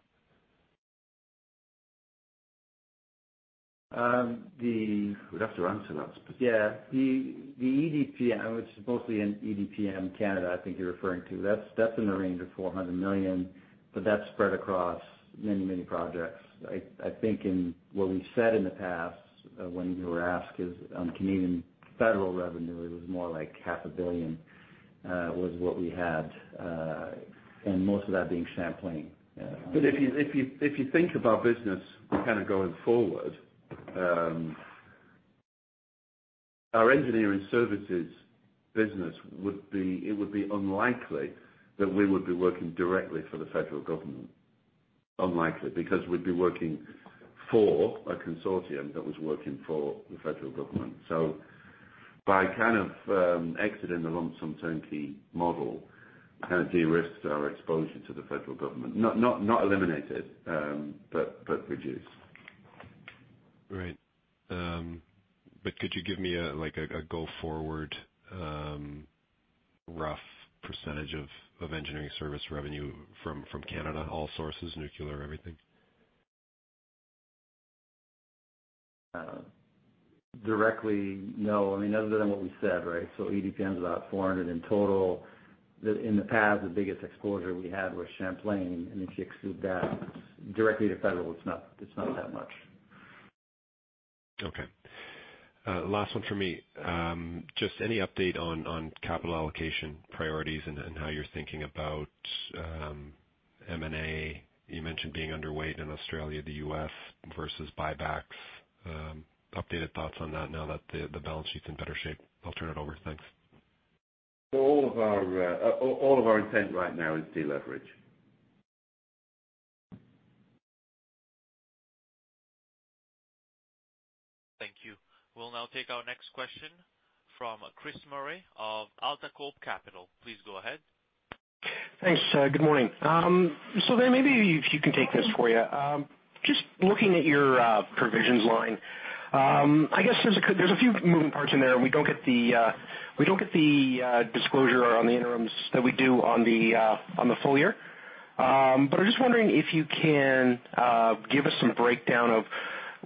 We'd have to run to that. Yeah. The EDPM, which is mostly in EDPM Canada, I think you're referring to. That's in the range of 400 million, but that's spread across many, many projects. I think in what we've said in the past when we were asked is on Canadian federal revenue, it was more like CAD half a billion, was what we had, and most of that being Champlain. If you think of our business kind of going forward, our engineering services business, it would be unlikely that we would be working directly for the federal government. Unlikely, because we'd be working for a consortium that was working for the federal government. By kind of exiting the lump-sum turnkey model, it kind of de-risks our exposure to the federal government. Not eliminated, but reduced. Right. Could you give me a go forward, rough percentage of engineering service revenue from Canada, all sources, nuclear, everything? Directly, no. I mean, other than what we said, right? EDPM is about 400 in total. In the past, the biggest exposure we had was Champlain, and if you exclude that, directly to federal, it's not that much. Last one from me. Just any update on capital allocation priorities and how you're thinking about M&A. You mentioned being underweight in Australia, the U.S. versus buybacks. Updated thoughts on that now that the balance sheet's in better shape. I'll turn it over. Thanks. All of our intent right now is de-leverage. Thank you. We'll now take our next question from Chris Murray of AltaCorp Capital. Please go ahead. Thanks. Good morning. Maybe if you can take this for you. Just looking at your provisions line. I guess there's a few moving parts in there, and we don't get the disclosure on the interims that we do on the full year. I'm just wondering if you can give us some breakdown of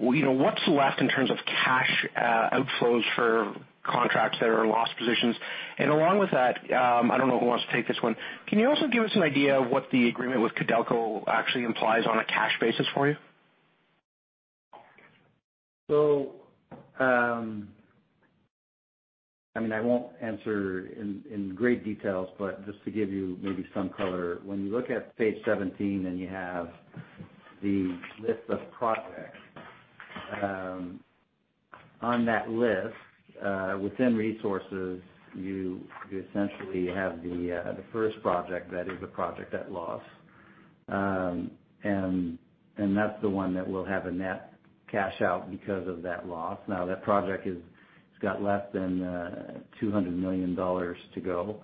what's left in terms of cash outflows for contracts that are in loss positions. Along with that, I don't know who wants to take this one. Can you also give us an idea of what the agreement with Codelco actually implies on a cash basis for you? I mean, I won't answer in great details, but just to give you maybe some color. When you look at page 17 and you have the list of projects. On that list, within resources, you essentially have the first project that is a project at loss. That's the one that will have a net cash out because of that loss. That project has got less than 200 million dollars to go.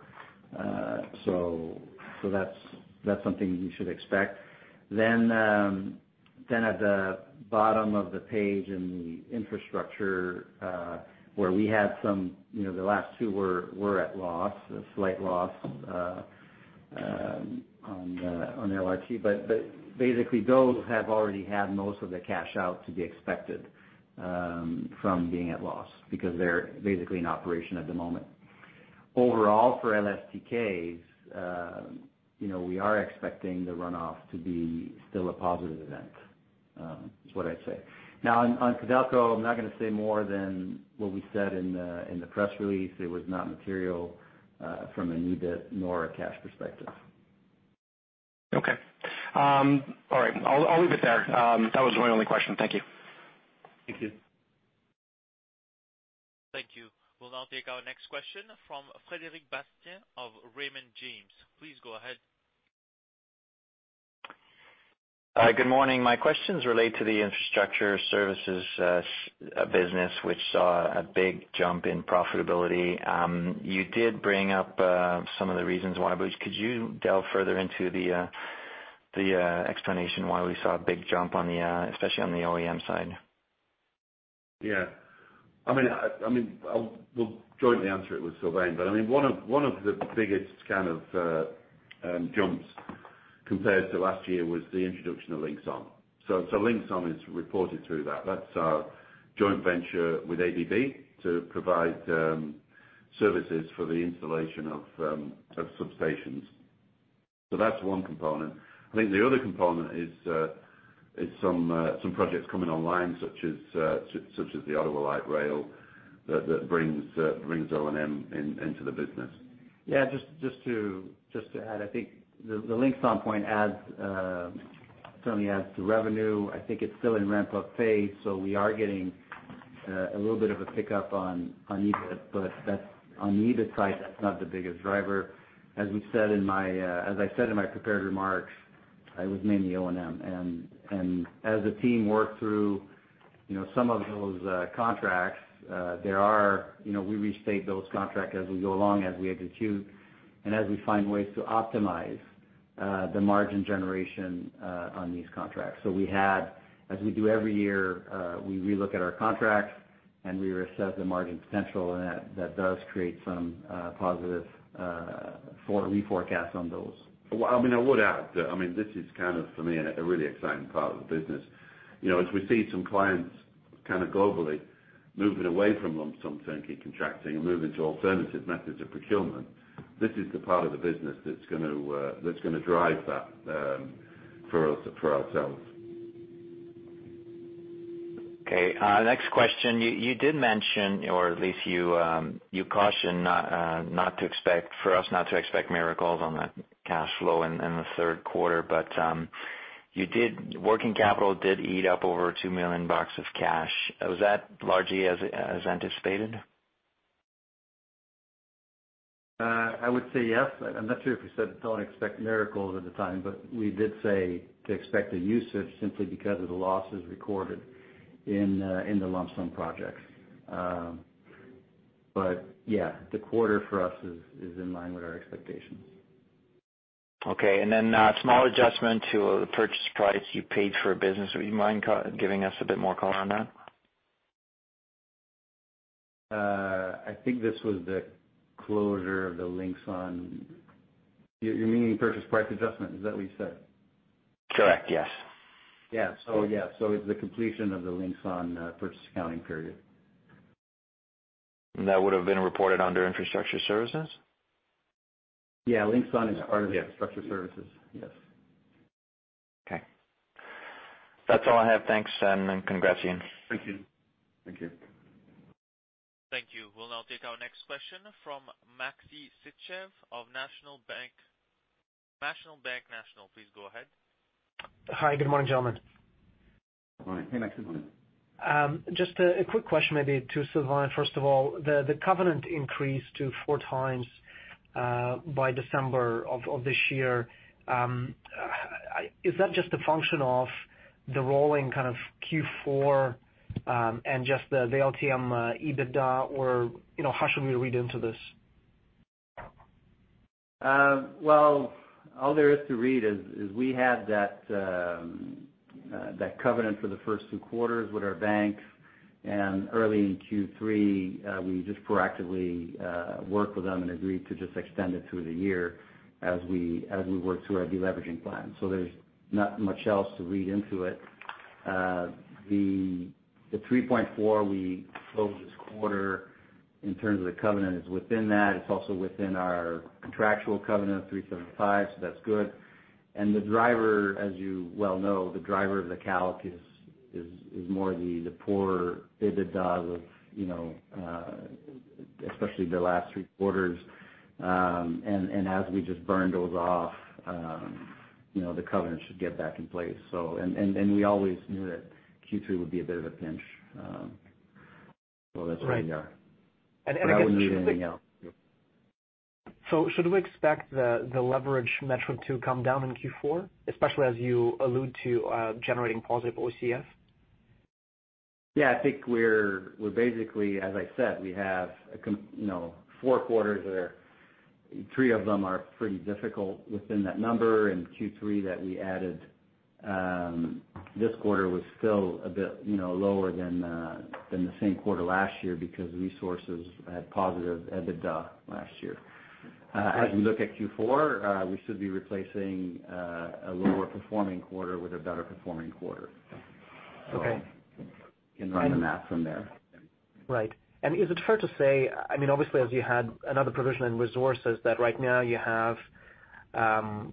That's something you should expect. At the bottom of the page in the infrastructure, where we had the last two were at loss, a slight loss on LRT. Basically, those have already had most of the cash out to be expected from being at loss because they're basically in operation at the moment. Overall for LSTKs, we are expecting the runoff to be still a positive event. That's what I'd say. On Cadalso, I'm not going to say more than what we said in the press release. It was not material from an EBIT nor a cash perspective. Okay. All right. I'll leave it there. That was my only question. Thank you. Thank you. Thank you. We will now take our next question from Frederic Bastien of Raymond James. Please go ahead. Good morning. My questions relate to the infrastructure services business, which saw a big jump in profitability. You did bring up some of the reasons why, but could you delve further into the explanation why we saw a big jump, especially on the OEM side? Yeah. We'll jointly answer it with Sylvain. One of the biggest kind of jumps compared to last year was the introduction of Linxon. Linxon is reported through that. That's our joint venture with ABB to provide services for the installation of substations. That's one component. I think the other component is some projects coming online, such as the Ottawa Light Rail that brings O&M into the business. Yeah, just to add, I think the Linxon point certainly adds to revenue. I think it's still in ramp-up phase, so we are getting a little bit of a pickup on EBIT, but on the EBIT side, that's not the biggest driver. As I said in my prepared remarks, it was mainly O&M. As the team worked through some of those contracts, we restate those contracts as we go along, as we execute and as we find ways to optimize the margin generation on these contracts. As we do every year, we relook at our contracts, and we reassess the margin potential, and that does create some positive reforecast on those. I would add, this is kind of, for me, a really exciting part of the business. As we see some clients kind of globally moving away from lump sum turnkey contracting and moving to alternative methods of procurement, this is the part of the business that's going to drive that for ourselves. Okay. Next question. You did mention, or at least you cautioned for us not to expect miracles on the cash flow in the third quarter, working capital did eat up over 2 million bucks of cash. Was that largely as anticipated? I would say yes. I'm not sure if we said don't expect miracles at the time, but we did say to expect a usage simply because of the losses recorded in the lump sum projects. Yeah, the quarter for us is in line with our expectations. Okay. Then a small adjustment to the purchase price you paid for a business. Would you mind giving us a bit more color on that? I think this was the closure of the Linxon. You're meaning purchase price adjustment? Is that what you said? Correct, yes. Yeah. It's the completion of the Linxon purchase accounting period. That would have been reported under infrastructure services? Yeah, Linxon is part of infrastructure services. Yes. Okay. That's all I have. Thanks, and congrats to you. Thank you. Thank you. Thank you. We'll now take our next question from Maxim Sytchev of National Bank Financial. Please go ahead. Hi. Good morning, gentlemen. Good morning. Hey, Maxi. Just a quick question maybe to Sylvain, first of all. The covenant increased to four times by December of this year. Is that just a function of the rolling kind of Q4 and just the LTM EBITDA, or how should we read into this? Well, all there is to read is we had that covenant for the first two quarters with our banks. Early in Q3, we just proactively worked with them and agreed to just extend it through the year as we worked through our deleveraging plan. There's not much else to read into it. The 3.4 we closed this quarter in terms of the covenant is within that. It's also within our contractual covenant of 3.75. That's good. The driver, as you well know, the driver of the calc is more the poor EBITDA of especially the last 3 quarters. As we just burn those off, the covenant should get back in place. We always knew that Q3 would be a bit of a pinch. That's where we are. Right. I wouldn't read anything else. Should we expect the leverage metric to come down in Q4, especially as you allude to generating positive OCF? Yeah, I think we're basically, as I said, we have four quarters there. Three of them are pretty difficult within that number in Q3 that we added. This quarter was still a bit lower than the same quarter last year because resources had positive EBITDA last year. We look at Q4, we should be replacing a lower performing quarter with a better performing quarter. Okay. You can run the math from there. Right. Is it fair to say, obviously as you had another provision in resources that right now you have kind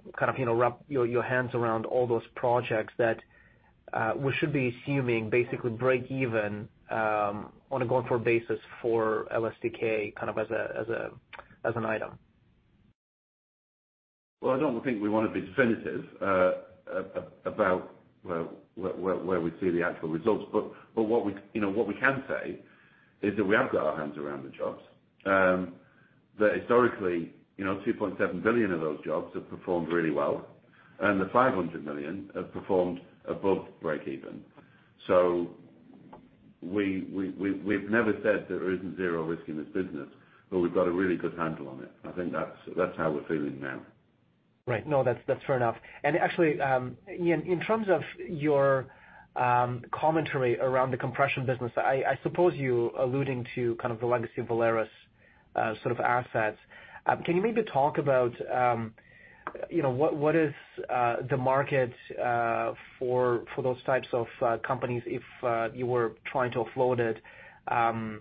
of wrap your hands around all those projects that we should be assuming basically break even on a going forward basis for LSTK kind of as an item? I don't think we want to be definitive about where we see the actual results, what we can say is that we have got our hands around the jobs. Historically, 2.7 billion of those jobs have performed really well, and the 500 million have performed above break even. We've never said there isn't zero risk in this business, we've got a really good handle on it. I think that's how we're feeling now. Right. No, that's fair enough. Actually, Ian, in terms of your commentary around the compression business, I suppose you alluding to kind of the legacy of Valerus sort of assets. Can you maybe talk about what is the market for those types of companies if you were trying to offload it? Trying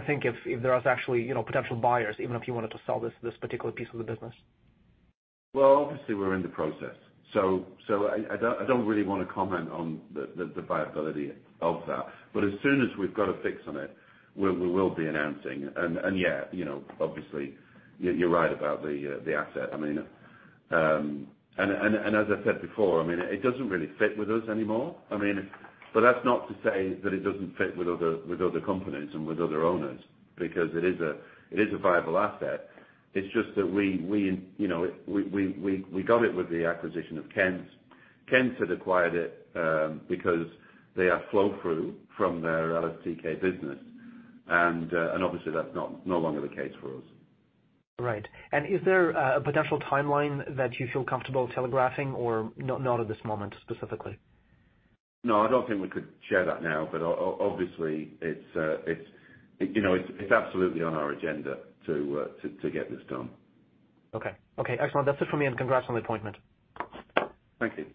to think if there was actually potential buyers, even if you wanted to sell this particular piece of the business. Well, obviously we're in the process, so I don't really want to comment on the viability of that. As soon as we've got a fix on it, we will be announcing. Yeah, obviously, you're right about the asset. As I said before, it doesn't really fit with us anymore. That's not to say that it doesn't fit with other companies and with other owners, because it is a viable asset. It's just that we got it with the acquisition of Kentz. Kentz had acquired it because they are flow-through from their LSTK business, and obviously that's no longer the case for us. Right. Is there a potential timeline that you feel comfortable telegraphing or not at this moment, specifically? No, I don't think we could share that now, but obviously it's absolutely on our agenda to get this done. Okay. Excellent. That's it for me, and congrats on the appointment. Thank you.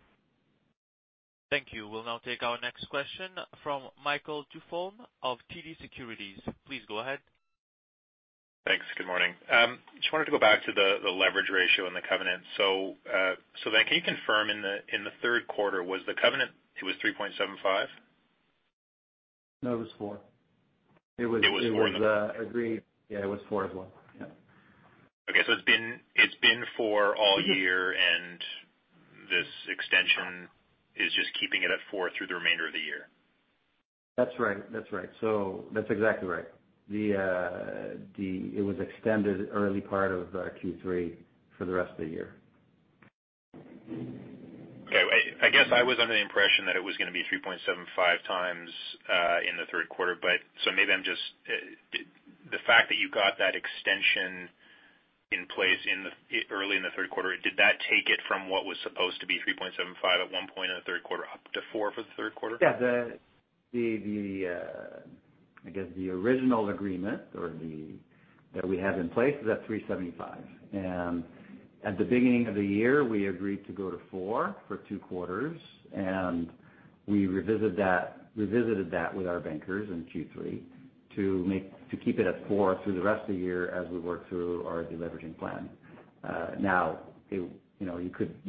Thank you. We'll now take our next question from Michael Dufour of TD Securities. Please go ahead. Thanks. Good morning. Just wanted to go back to the leverage ratio and the covenant. Can you confirm in the third quarter, was the covenant, it was 3.75? No, it was four. It was four then. It was agreed. Yeah, it was four as well. Yeah. Okay. It's been four all year, and this extension is just keeping it at four through the remainder of the year. That's right. That's exactly right. It was extended early part of Q3 for the rest of the year. Okay. I guess I was under the impression that it was going to be 3.75 times in the third quarter. Maybe the fact that you got that extension in place early in the third quarter, did that take it from what was supposed to be 3.75 at one point in the third quarter up to four for the third quarter? Yeah. I guess the original agreement that we have in place is at 375. At the beginning of the year, we agreed to go to 4 for 2 quarters, and we revisited that with our bankers in Q3 to keep it at 4 through the rest of the year as we work through our deleveraging plan. Now, you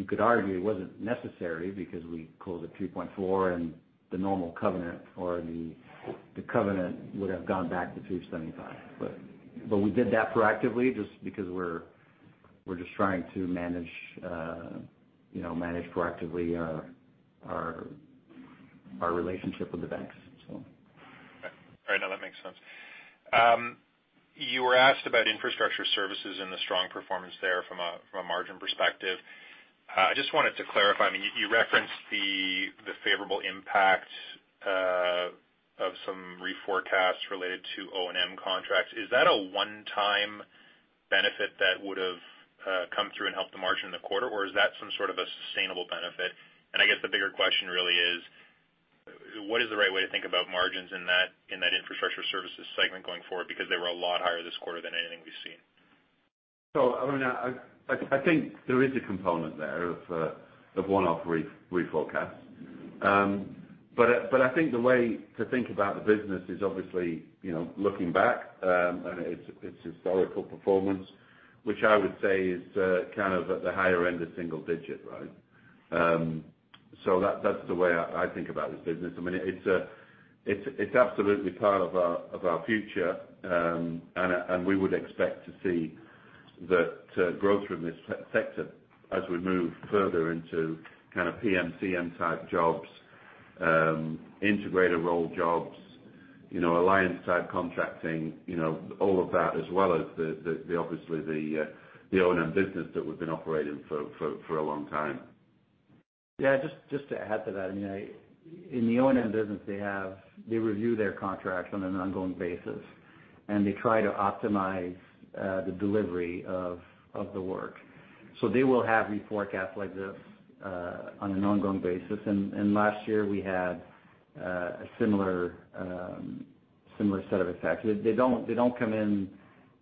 could argue it wasn't necessary because we closed at 3.4 and the normal covenant or the covenant would have gone back to 375. We did that proactively just because we're just trying to manage proactively our relationship with the banks. Right. No, that makes sense. You were asked about infrastructure services and the strong performance there from a margin perspective. I just wanted to clarify, you referenced the favorable impact of some reforecast related to O&M contracts. Is that a one-time benefit that would have come through and helped the margin in the quarter, or is that some sort of a sustainable benefit? I guess the bigger question really is what is the right way to think about margins in that infrastructure services segment going forward? Because they were a lot higher this quarter than anything we've seen. I think there is a component there of one-off reforecast. I think the way to think about the business is obviously looking back at its historical performance, which I would say is kind of at the higher end of single digit. That's the way I think about this business. It's absolutely part of our future, and we would expect to see the growth from this sector as we move further into kind of PCM/CM type jobs, integrator role jobs, alliance type contracting, all of that, as well as obviously the O&M business that we've been operating for a long time. Yeah, just to add to that. In the O&M business, they review their contracts on an ongoing basis, and they try to optimize the delivery of the work. They will have reforecast like this on an ongoing basis, and last year we had a similar set of effects. They don't come in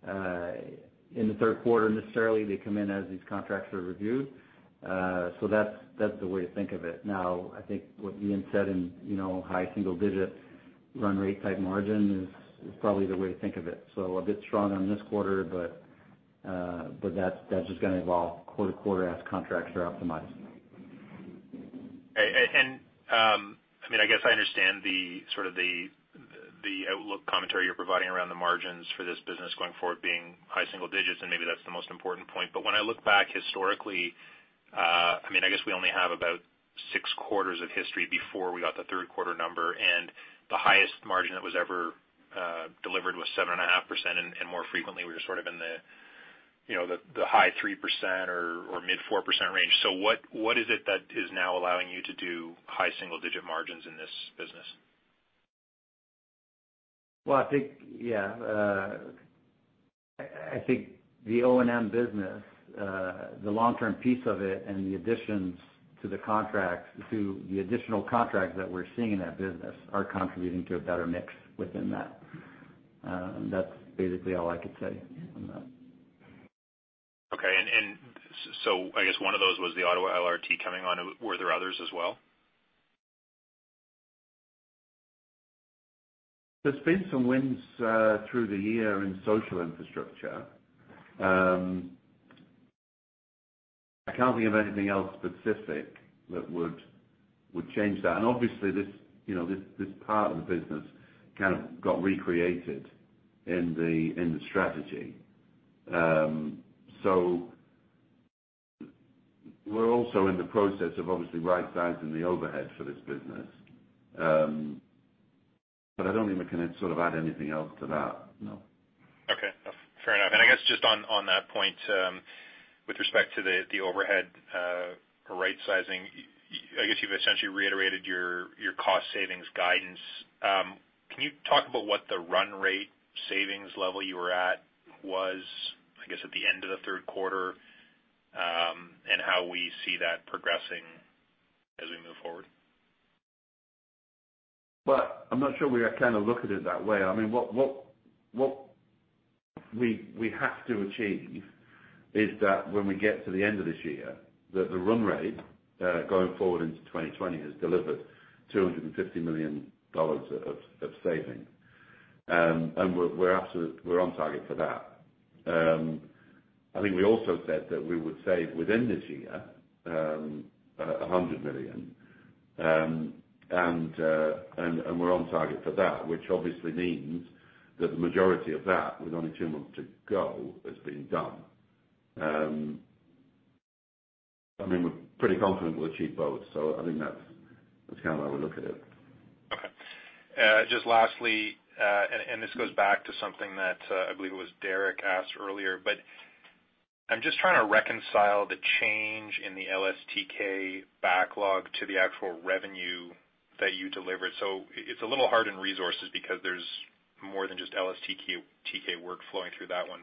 the third quarter necessarily, they come in as these contracts are reviewed. That's the way to think of it. I think what Ian said in high single-digit run rate type margin is probably the way to think of it. A bit stronger on this quarter, but that's just going to evolve quarter to quarter as contracts are optimized. I guess I understand the outlook commentary you're providing around the margins for this business going forward being high single digits, and maybe that's the most important point. When I look back historically, I guess we only have about 6 quarters of history before we got the third quarter number, and the highest margin that was ever delivered was 7.5%. More frequently, we were sort of in the high 3% or mid 4% range. What is it that is now allowing you to do high single digit margins in this business? Well, I think. I think the O&M business, the long-term piece of it, and the additions to the additional contracts that we're seeing in that business are contributing to a better mix within that. That's basically all I could say on that. Okay. I guess one of those was the Ottawa LRT coming on. Were there others as well? There's been some wins through the year in social infrastructure. I can't think of anything else specific that would change that. Obviously, this part of the business kind of got recreated in the strategy. We're also in the process of obviously right-sizing the overhead for this business. I don't think we can sort of add anything else to that, no. Okay. Fair enough. I guess just on that point, with respect to the overhead right-sizing, I guess you've essentially reiterated your cost savings guidance. Can you talk about what the run rate savings level you were at was, I guess, at the end of the third quarter, and how we see that progressing as we move forward? Well, I'm not sure we are kind of looking at it that way. I mean, what we have to achieve is that when we get to the end of this year, that the run rate, going forward into 2020, has delivered 250 million dollars of savings. We're on target for that. I think I also said that we would save within this year, 100 million, and we're on target for that, which obviously means that the majority of that, with only two months to go, has been done. I mean, we're pretty confident we'll achieve both. I think that's kind of how we look at it. Okay. Just lastly, this goes back to something that, I believe it was Derek asked earlier, I'm just trying to reconcile the change in the LSTK backlog to the actual revenue that you delivered. It's a little hard in resources because there's more than just LSTK work flowing through that one.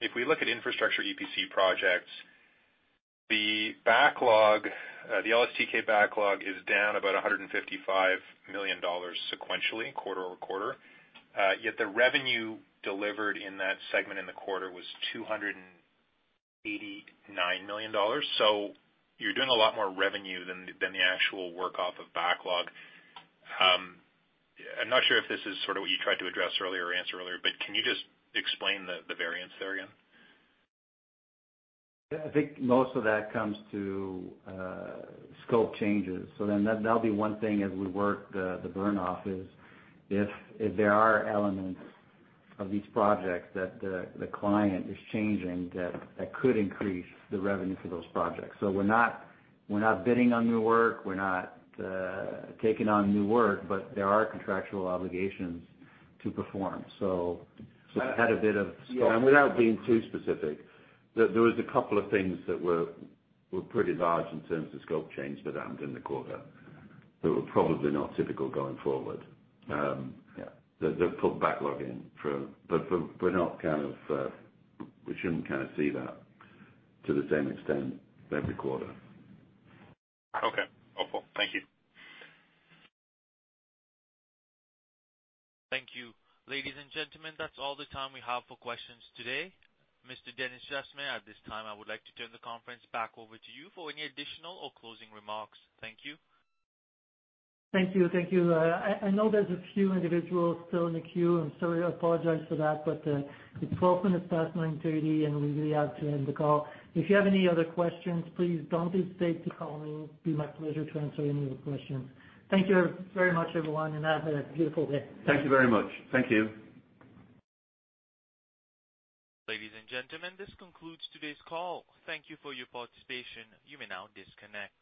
If we look at infrastructure EPC projects, the LSTK backlog is down about 155 million dollars sequentially quarter-over-quarter. Yet the revenue delivered in that segment in the quarter was 289 million dollars. You're doing a lot more revenue than the actual work off of backlog. I'm not sure if this is sort of what you tried to address earlier or answer earlier, but can you just explain the variance there again? Yeah, I think most of that comes to scope changes. That will be one thing as we work the burn-off is if there are elements of these projects that the client is changing, that could increase the revenue for those projects. We are not bidding on new work, we are not taking on new work, but there are contractual obligations to perform. Yeah, without being too specific, there was a couple of things that were pretty large in terms of scope change that happened in the quarter that were probably not typical going forward. Yeah. They put backlog in. We shouldn't kind of see that to the same extent every quarter. Okay. Helpful. Thank you. Thank you. Ladies and gentlemen, that's all the time we have for questions today. Mr. Denis Jasmin, at this time, I would like to turn the conference back over to you for any additional or closing remarks. Thank you. Thank you. I know there's a few individuals still in the queue, and sorry, I apologize for that, but it's 12 minutes past 9:30, and we really have to end the call. If you have any other questions, please don't hesitate to call me. It'd be my pleasure to answer any of the questions. Thank you very much, everyone, and have a beautiful day. Thank you very much. Thank you. Ladies and gentlemen, this concludes today's call. Thank you for your participation. You may now disconnect.